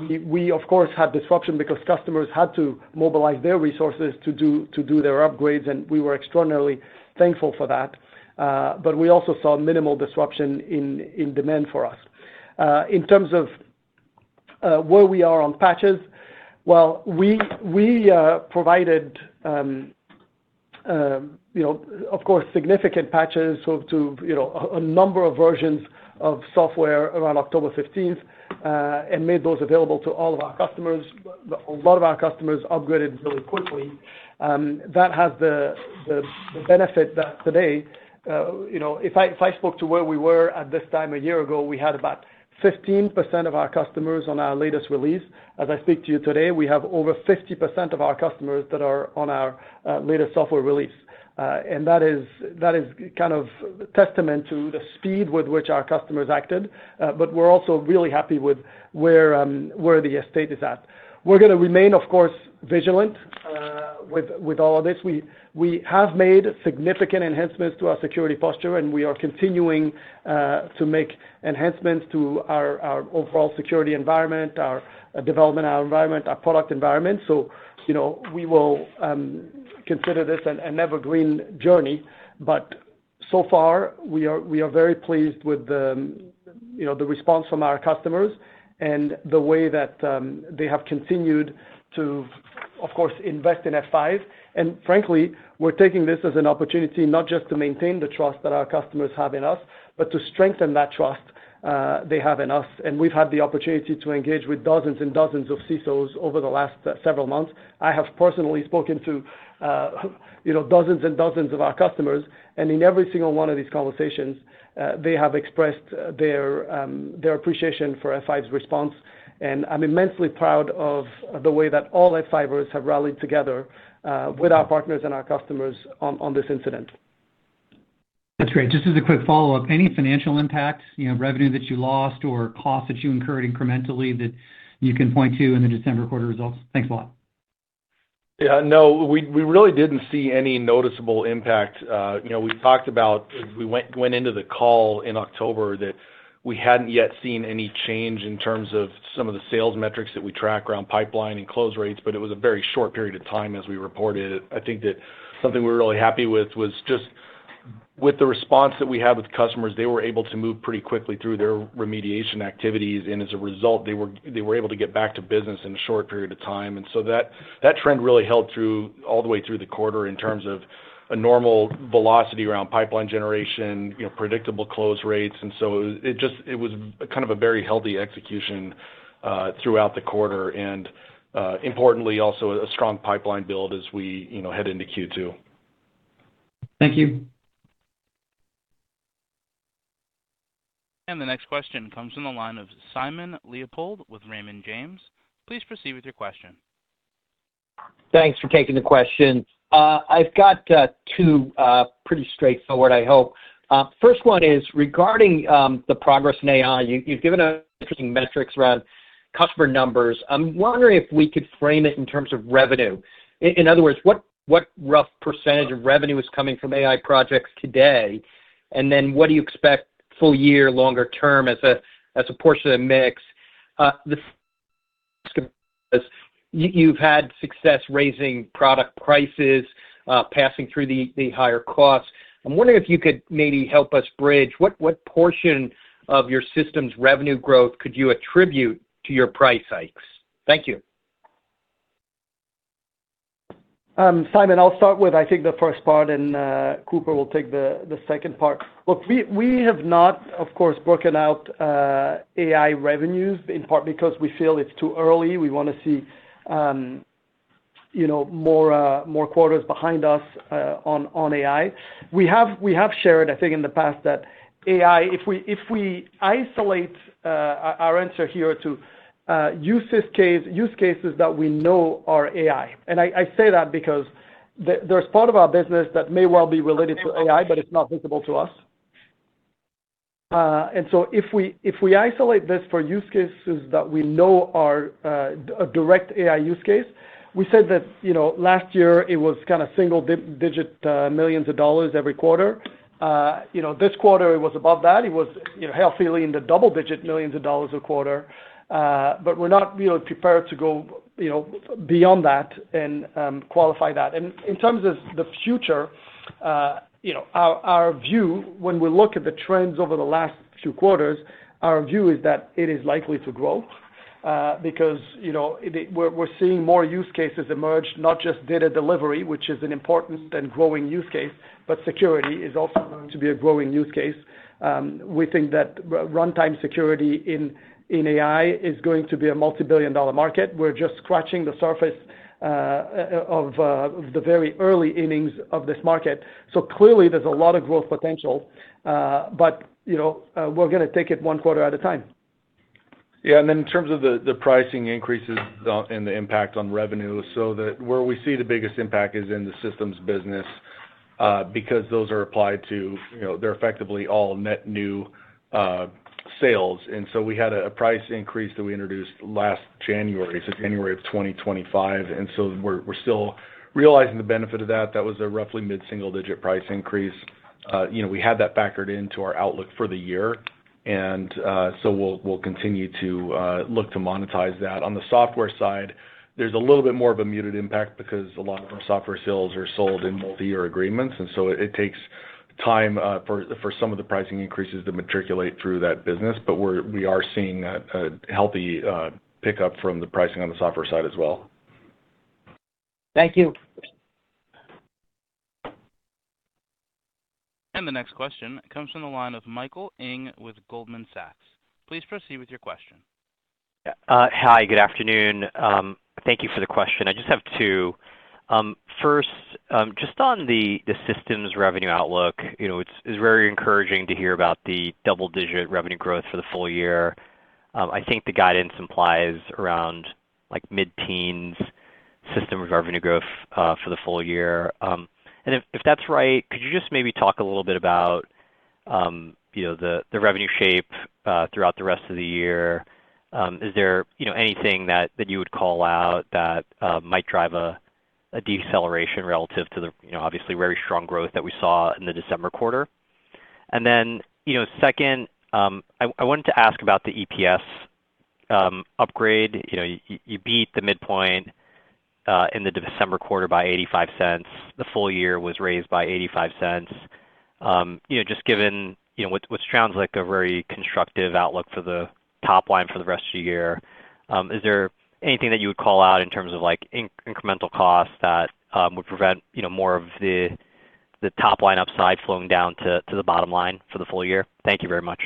We of course had disruption because customers had to mobilize their resources to do their upgrades, and we were extraordinarily thankful for that. But we also saw minimal disruption in demand for us. In terms of where we are on patches, well, we provided, you know, of course, significant patches to, you know, a number of versions of software around October 15th, and made those available to all of our customers. A lot of our customers upgraded really quickly. That has the benefit that today, you know, if I spoke to where we were at this time a year ago, we had about 15% of our customers on our latest release. As I speak to you today, we have over 50% of our customers that are on our latest software release. And that is kind of testament to the speed with which our customers acted, but we're also really happy with where the state is at. We're gonna remain, of course, vigilant with all of this. We have made significant enhancements to our security posture, and we are continuing to make enhancements to our overall security environment, our developmental environment, our product environment. So, you know, we will consider this an evergreen journey. But so far, we are very pleased with the, you know, the response from our customers and the way that they have continued to, of course, invest in F5. And frankly, we're taking this as an opportunity, not just to maintain the trust that our customers have in us, but to strengthen that trust they have in us. And we've had the opportunity to engage with dozens and dozens of CISOs over the last several months. I have personally spoken to, you know, dozens and dozens of our customers, and in every single one of these conversations, they have expressed their appreciation for F5's response. And I'm immensely proud of the way that all F5ers have rallied together, with our partners and our customers on this incident. That's great. Just as a quick follow-up, any financial impacts, you know, revenue that you lost or costs that you incurred incrementally that you can point to in the December quarter results? Thanks a lot. Yeah, no, we really didn't see any noticeable impact. You know, we talked about, as we went into the call in October, that we hadn't yet seen any change in terms of some of the sales metrics that we track around pipeline and close rates, but it was a very short period of time, as we reported. I think that something we're really happy with was just with the response that we had with customers; they were able to move pretty quickly through their remediation activities, and as a result, they were able to get back to business in a short period of time. And so that trend really held through all the way through the quarter in terms of a normal velocity around pipeline generation, you know, predictable close rates. And so it was kind of a very healthy execution throughout the quarter, and importantly, also a strong pipeline build as we, you know, head into Q2. Thank you. The next question comes from the line of Simon Leopold with Raymond James. Please proceed with your question. Thanks for taking the question. I've got two pretty straightforward, I hope. First one is regarding the progress in AI. You've given us interesting metrics around customer numbers. I'm wondering if we could frame it in terms of revenue. In other words, what rough percentage of revenue is coming from AI projects today? And then what do you expect full year, longer term, as a portion of the mix? You've had success raising product prices, passing through the higher costs. I'm wondering if you could maybe help us bridge, what portion of your systems revenue growth could you attribute to your price hikes? Thank you. Simon, I'll start with, I think, the first part, and Cooper will take the second part. Look, we have not, of course, broken out AI revenues, in part because we feel it's too early. We want to see, you know, more quarters behind us on AI. We have shared, I think in the past, that AI, if we isolate our answer here to use cases that we know are AI. I say that because there's part of our business that may well be related to AI, but it's not visible to us. And so if we, if we isolate this for use cases that we know are a direct AI use case, we said that, you know, last year it was kind of single-digit millions of dollars every quarter. You know, this quarter it was above that. It was, you know, healthily in the double-digit millions of dollars a quarter. But we're not, you know, prepared to go, you know, beyond that and qualify that. In terms of the future, you know, our, our view when we look at the trends over the last few quarters, our view is that it is likely to grow, because, you know, it, we're, we're seeing more use cases emerge, not just data delivery, which is an important and growing use case, but security is also going to be a growing use case. We think that runtime security in AI is going to be a multi-billion dollar market. We're just scratching the surface of the very early innings of this market. So clearly, there's a lot of growth potential, but, you know, we're gonna take it one quarter at a time. Yeah, and then in terms of the pricing increases and the impact on revenue, so where we see the biggest impact is in the systems business, because those are applied to, you know, they're effectively all net new sales. And so we had a price increase that we introduced last January, so January of 2025, and so we're still realizing the benefit of that. That was a roughly mid-single-digit price increase. You know, we had that factored into our outlook for the year, and so we'll continue to look to monetize that. On the software side, there's a little bit more of a muted impact because a lot of our software sales are sold in multi-year agreements, and so it takes time for some of the pricing increases to matriculate through that business. But we are seeing a healthy pickup from the pricing on the software side as well. Thank you. The next question comes from the line of Michael Ng with Goldman Sachs. Please proceed with your question. Hi, good afternoon. Thank you for the question. I just have two. First, just on the systems revenue outlook, you know, it's very encouraging to hear about the double-digit revenue growth for the full year. I think the guidance implies around, like, mid-teens systems revenue growth for the full year. And if that's right, could you just maybe talk a little bit about, you know, the revenue shape throughout the rest of the year? Is there, you know, anything that you would call out that might drive a deceleration relative to the, you know, obviously, very strong growth that we saw in the December quarter? And then, you know, second, I wanted to ask about the EPS upgrade. You know, you beat the midpoint in the December quarter by $0.85. The full year was raised by $0.85. You know, just given what sounds like a very constructive outlook for the top line for the rest of the year, is there anything that you would call out in terms of, like, incremental costs that would prevent, you know, more of the top-line upside flowing down to the bottom line for the full year? Thank you very much.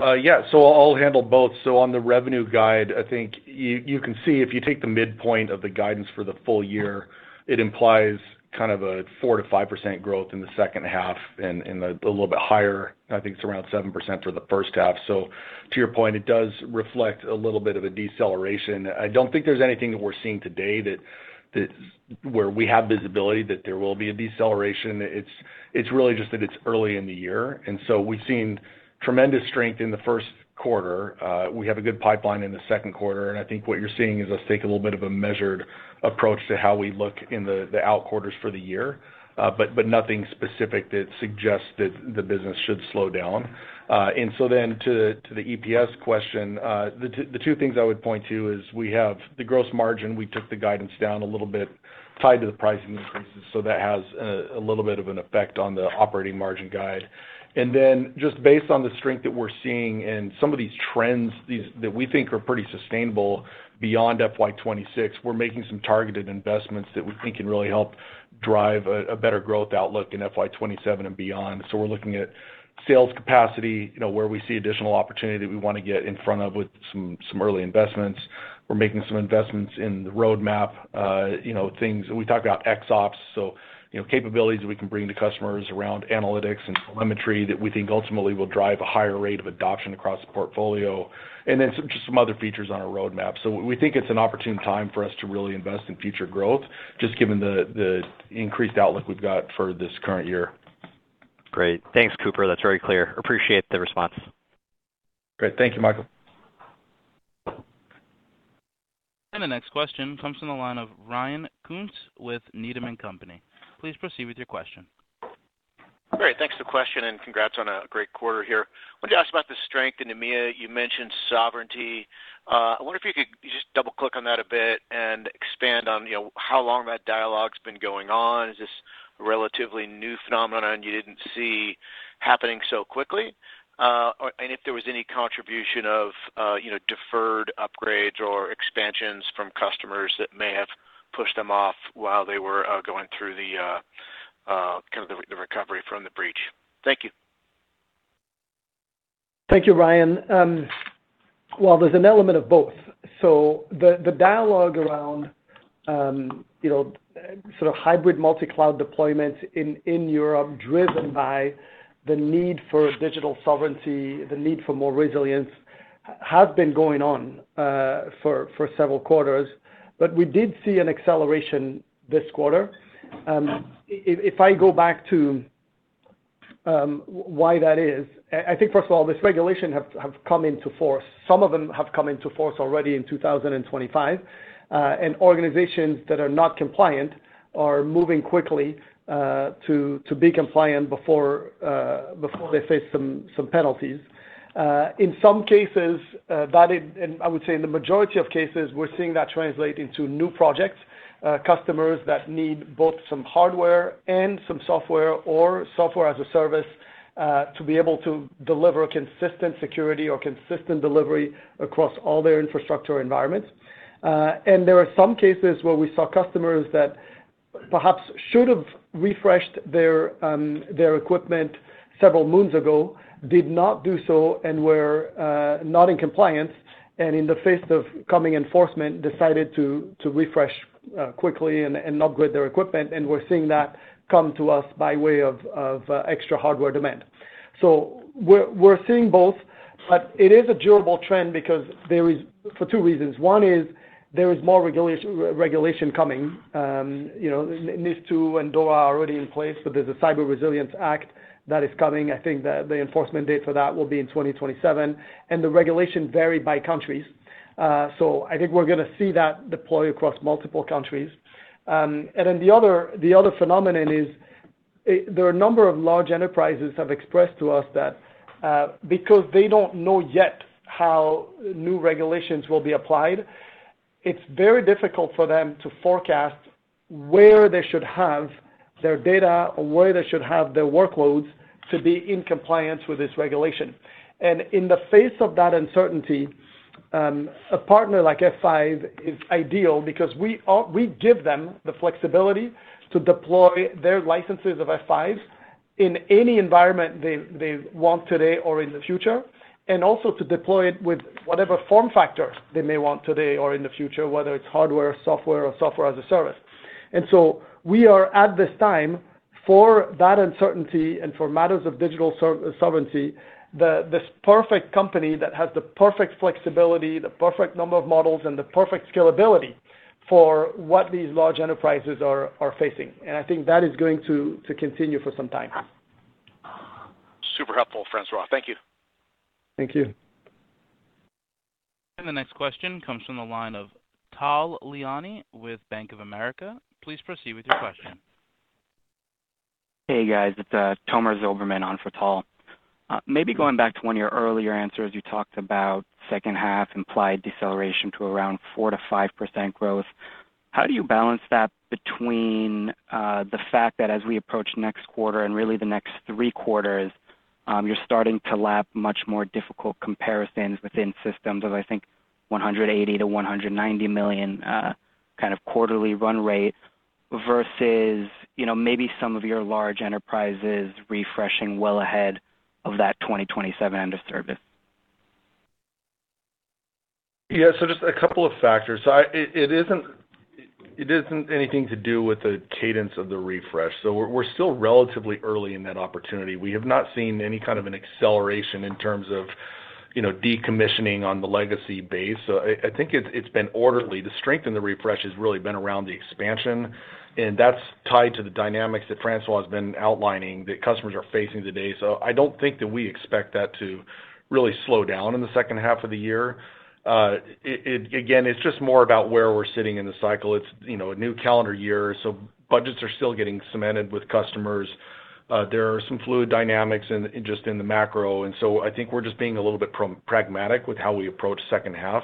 Yeah, so I'll handle both. So on the revenue guide, I think you can see if you take the midpoint of the guidance for the full year, it implies kind of a 4%-5% growth in the second half and a little bit higher, I think it's around 7% for the first half. So to your point, it does reflect a little bit of a deceleration. I don't think there's anything that we're seeing today that where we have visibility, that there will be a deceleration. It's really just that it's early in the year, and so we've seen tremendous strength in the first quarter. We have a good pipeline in the second quarter, and I think what you're seeing is us take a little bit of a measured approach to how we look in the out quarters for the year, but, but nothing specific that suggests that the business should slow down. And so then to the EPS question, the two things I would point to is we have the gross margin. We took the guidance down a little bit, tied to the pricing increases, so that has a little bit of an effect on the operating margin guide. Just based on the strength that we're seeing and some of these trends that we think are pretty sustainable beyond FY 2026, we're making some targeted investments that we think can really help drive a better growth outlook in FY 2027 and beyond. So we're looking at sales capacity, you know, where we see additional opportunity that we wanna get in front of with some early investments. We're making some investments in the roadmap, you know, things. We talked about XOps, so, you know, capabilities we can bring to customers around analytics and telemetry that we think ultimately will drive a higher rate of adoption across the portfolio, and then just some other features on our roadmap. So we think it's an opportune time for us to really invest in future growth, just given the increased outlook we've got for this current year. Great. Thanks, Cooper. That's very clear. Appreciate the response. Great. Thank you, Michael. The next question comes from the line of Ryan Koontz with Needham & Company. Please proceed with your question. Great, thanks for the question, and congrats on a great quarter here. Wanted to ask about the strength in EMEA. You mentioned sovereignty. I wonder if you could just double-click on that a bit and expand on, you know, how long that dialogue's been going on. Is this a relatively new phenomenon you didn't see happening so quickly? And if there was any contribution of, you know, deferred upgrades or expansions from customers that may have pushed them off while they were going through the kind of the recovery from the breach. Thank you. Thank you, Ryan. Well, there's an element of both. So the dialogue around, you know, sort of hybrid multi-cloud deployment in Europe, driven by the need for digital sovereignty, the need for more resilience, has been going on for several quarters, but we did see an acceleration this quarter. If I go back to why that is, I think, first of all, this regulation have come into force. Some of them have come into force already in 2025, and organizations that are not compliant are moving quickly to be compliant before they face some penalties. In some cases, that is, and I would say in the majority of cases, we're seeing that translate into new projects. Customers that need both some hardware and some software or SaaS, to be able to deliver consistent security or consistent delivery across all their infrastructure environments. And there are some cases where we saw customers that perhaps should have refreshed their their equipment several moons ago, did not do so and were not in compliance, and in the face of coming enforcement, decided to refresh quickly and upgrade their equipment. And we're seeing that come to us by way of extra hardware demand. So we're seeing both, but it is a durable trend because there is for two reasons. One is there is more regulation coming. You know, NIS2 and DORA are already in place, but there's a Cyber Resilience Act that is coming. I think the enforcement date for that will be in 2027, and the regulation vary by countries. So I think we're going to see that deploy across multiple countries. And then the other phenomenon is, there are a number of large enterprises have expressed to us that, because they don't know yet how new regulations will be applied, it's very difficult for them to forecast where they should have their data or where they should have their workloads to be in compliance with this regulation. In the face of that uncertainty, a partner like F5 is ideal because we give them the flexibility to deploy their licenses of F5 in any environment they want today or in the future, and also to deploy it with whatever form factor they may want today or in the future, whether it's hardware, software, or SaaS. And so we are, at this time, for that uncertainty and for matters of digital sovereignty, this perfect company that has the perfect flexibility, the perfect number of models, and the perfect scalability for what these large enterprises are facing. And I think that is going to continue for some time. Super helpful, François. Thank you. Thank you. The next question comes from the line of Tal Liani with Bank of America. Please proceed with your question. Hey, guys, it's Tomer Zilberman on for Tal. Maybe going back to one of your earlier answers, you talked about second half implied deceleration to around 4%-5% growth. How do you balance that between the fact that as we approach next quarter and really the next three quarters, you're starting to lap much more difficult comparisons within systems of, I think, $180 million-$190 million kind of quarterly run rate versus, you know, maybe some of your large enterprises refreshing well ahead of that 2027 under service? Yeah, so just a couple of factors. So it isn't anything to do with the cadence of the refresh, so we're still relatively early in that opportunity. We have not seen any kind of an acceleration in terms of, you know, decommissioning on the legacy base. So I think it's been orderly. The strength in the refresh has really been around the expansion, and that's tied to the dynamics that François has been outlining that customers are facing today. So I don't think that we expect that to really slow down in the second half of the year. It again, it's just more about where we're sitting in the cycle. It's, you know, a new calendar year, so budgets are still getting cemented with customers. There are some fluid dynamics in just the macro, and so I think we're just being a little bit pragmatic with how we approach second half.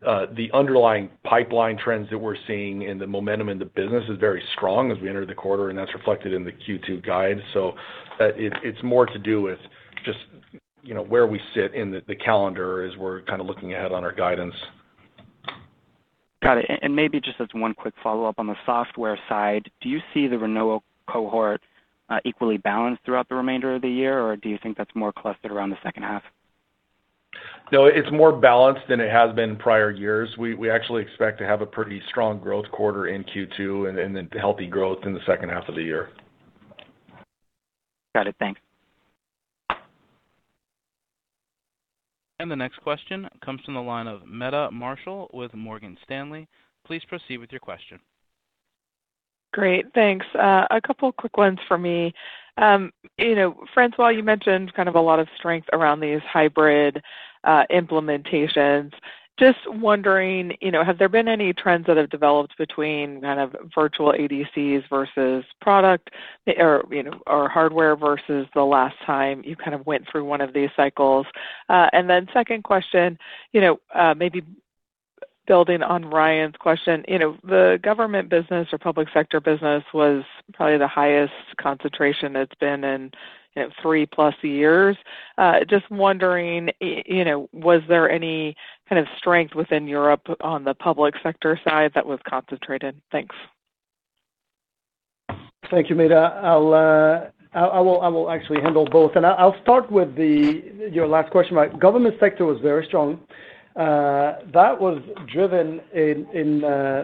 But, the underlying pipeline trends that we're seeing and the momentum in the business is very strong as we enter the quarter, and that's reflected in the Q2 guide. So, it's more to do with just, you know, where we sit in the calendar as we're kind of looking ahead on our guidance. Got it. And, maybe just as one quick follow-up on the software side, do you see the renewal cohort equally balanced throughout the remainder of the year, or do you think that's more clustered around the second half? No, it's more balanced than it has been in prior years. We actually expect to have a pretty strong growth quarter in Q2 and then healthy growth in the second half of the year. Got it. Thanks. The next question comes from the line of Meta Marshall with Morgan Stanley. Please proceed with your question. Great, thanks. A couple quick ones for me. You know, François, you mentioned kind of a lot of strength around these hybrid implementations. Just wondering, you know, have there been any trends that have developed between kind of virtual ADCs versus product or, you know, or hardware versus the last time you kind of went through one of these cycles? And then second question, you know, maybe building on Ryan's question, you know, the government business or public sector business was probably the highest concentration it's been in, you know, three-plus years. Just wondering, you know, was there any kind of strength within Europe on the public sector side that was concentrated? Thanks. Thank you, Meta. I'll actually handle both, and I'll start with the, your last question about government sector was very strong. That was driven in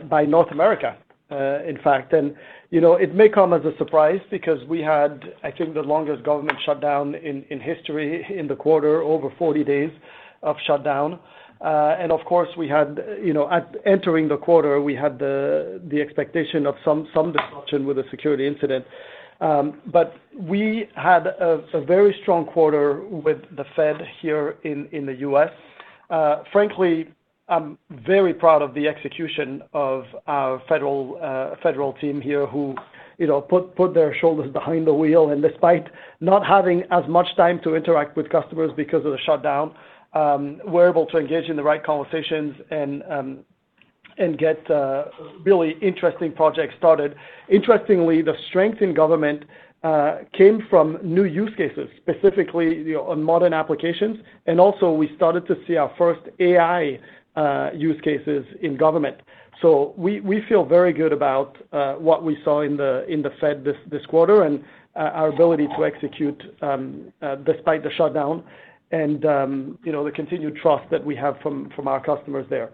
by North America, in fact. You know, it may come as a surprise because we had, I think, the longest government shutdown in history in the quarter, over 40 days of shutdown. And of course, we had, you know, at entering the quarter, we had the expectation of some disruption with a security incident. But we had a very strong quarter with the Fed here in the U.S. Frankly, I'm very proud of the execution of our Federal team here, who, you know, put their shoulders behind the wheel. Despite not having as much time to interact with customers because of the shutdown, we're able to engage in the right conversations and get really interesting projects started. Interestingly, the strength in government came from new use cases, specifically, you know, on modern applications, and also we started to see our first AI use cases in government. So we feel very good about what we saw in the Fed this quarter and our ability to execute despite the shutdown and, you know, the continued trust that we have from our customers there.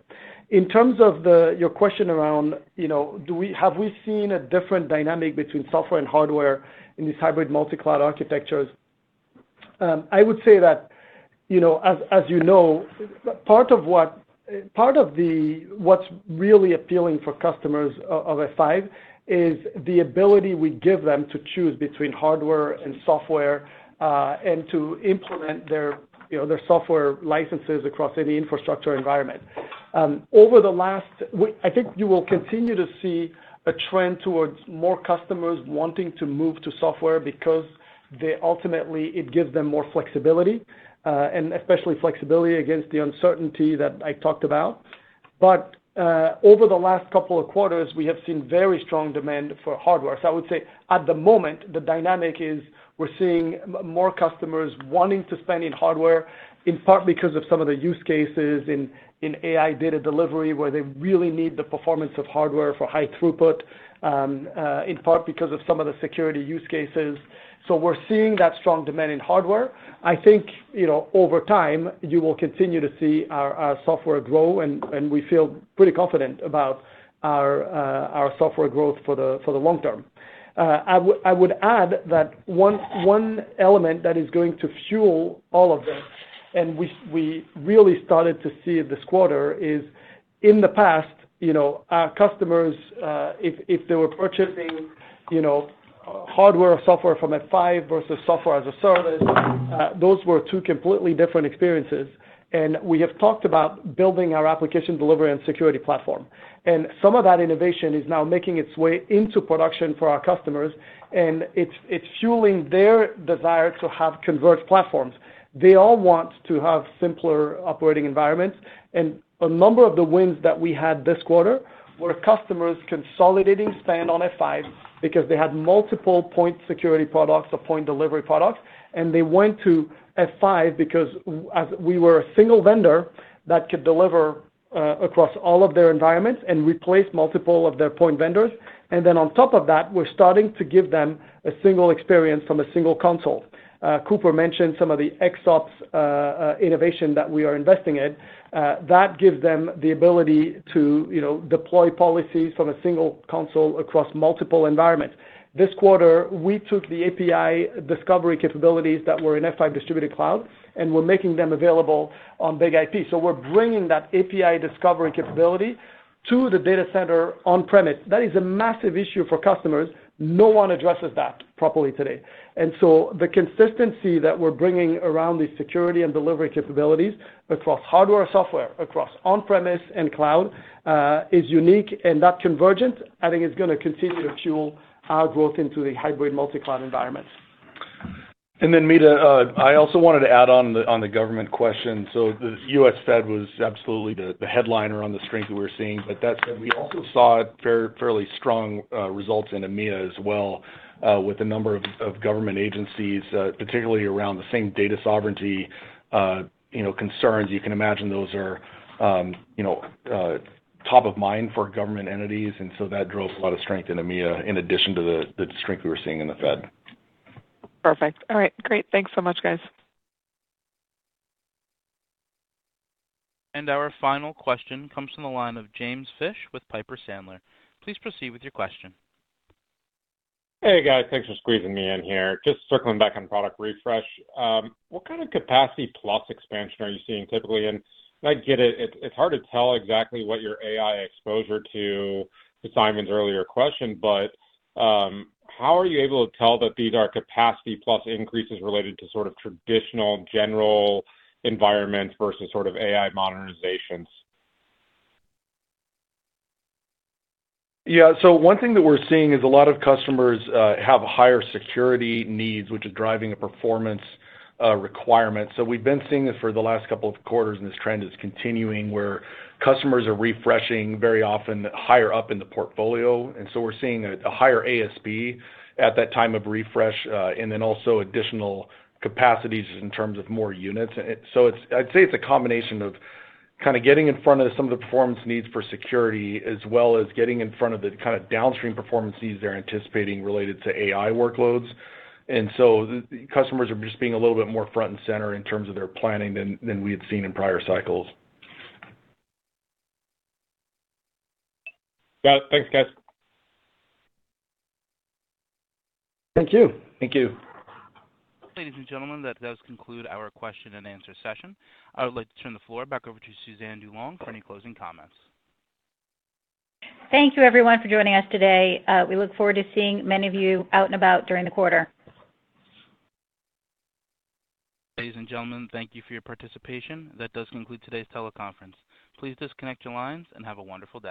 In terms of your question around, you know, have we seen a different dynamic between software and hardware in these hybrid multi-cloud architectures? I would say that, you know, as you know, part of what's really appealing for customers of F5 is the ability we give them to choose between hardware and software, and to implement their, you know, their software licenses across any infrastructure environment. Over the last week, I think you will continue to see a trend towards more customers wanting to move to software because they ultimately, it gives them more flexibility, and especially flexibility against the uncertainty that I talked about. But over the last couple of quarters, we have seen very strong demand for hardware. So I would say, at the moment, the dynamic is we're seeing more customers wanting to spend in hardware, in part because of some of the use cases in AI data delivery, where they really need the performance of hardware for high throughput, in part because of some of the security use cases. So we're seeing that strong demand in hardware. I think, you know, over time, you will continue to see our software grow, and we feel pretty confident about our software growth for the long term. I would add that one element that is going to fuel all of this, and we really started to see it this quarter, is in the past, you know, our customers, if they were purchasing, you know, hardware or software from F5 versus SaaS, those were two completely different experiences. And we have talked about building our Application Delivery and Security Platform, and some of that innovation is now making its way into production for our customers, and it's fueling their desire to have converged platforms. They all want to have simpler operating environments, and a number of the wins that we had this quarter were customers consolidating spend on F5 because they had multiple point security products or point delivery products, and they went to F5 because we were a single vendor that could deliver across all of their environments and replace multiple of their point vendors. And then on top of that, we're starting to give them a single experience from a single console. Cooper mentioned some of the XOps innovation that we are investing in. That gives them the ability to, you know, deploy policies from a single console across multiple environments. This quarter, we took the API discovery capabilities that were in F5 Distributed Cloud, and we're making them available on BIG-IP. So we're bringing that API discovery capability to the data center on-premises. That is a massive issue for customers. No one addresses that properly today. So the consistency that we're bringing around these security and delivery capabilities across hardware, software, across on-premise and cloud, is unique, and that convergence, I think, is gonna continue to fuel our growth into the hybrid multi-cloud environments. And then, Meta, I also wanted to add on the, on the government question. So the U.S. Fed was absolutely the headliner on the strength that we're seeing, but that said, we also saw fairly strong results in EMEA as well, with a number of government agencies, particularly around the same data sovereignty, you know, concerns. You can imagine those are, you know, top of mind for government entities, and so that drove a lot of strength in EMEA, in addition to the strength we were seeing in the Fed. Perfect. All right, great. Thanks so much, guys. Our final question comes from the line of James Fish with Piper Sandler. Please proceed with your question. Hey, guys, thanks for squeezing me in here. Just circling back on product refresh, what kind of capacity plus expansion are you seeing typically? And I get it, it's hard to tell exactly what your AI exposure to Simon's earlier question, but how are you able to tell that these are capacity plus increases related to sort of traditional general environments versus sort of AI modernizations? Yeah, so one thing that we're seeing is a lot of customers have higher security needs, which are driving a performance requirement. So we've been seeing this for the last couple of quarters, and this trend is continuing, where customers are refreshing very often higher up in the portfolio. And so we're seeing a higher ASB at that time of refresh, and then also additional capacities in terms of more units. And so it's, I'd say it's a combination of kind of getting in front of some of the performance needs for security, as well as getting in front of the kind of downstream performance needs they're anticipating related to AI workloads. And so the customers are just being a little bit more front and center in terms of their planning than we had seen in prior cycles. Got it. Thanks, guys. Thank you. Thank you. Ladies and gentlemen, that does conclude our question and answer session. I would like to turn the floor back over to Suzanne DuLong for any closing comments. Thank you, everyone, for joining us today. We look forward to seeing many of you out and about during the quarter. Ladies and gentlemen, thank you for your participation. That does conclude today's teleconference. Please disconnect your lines and have a wonderful day.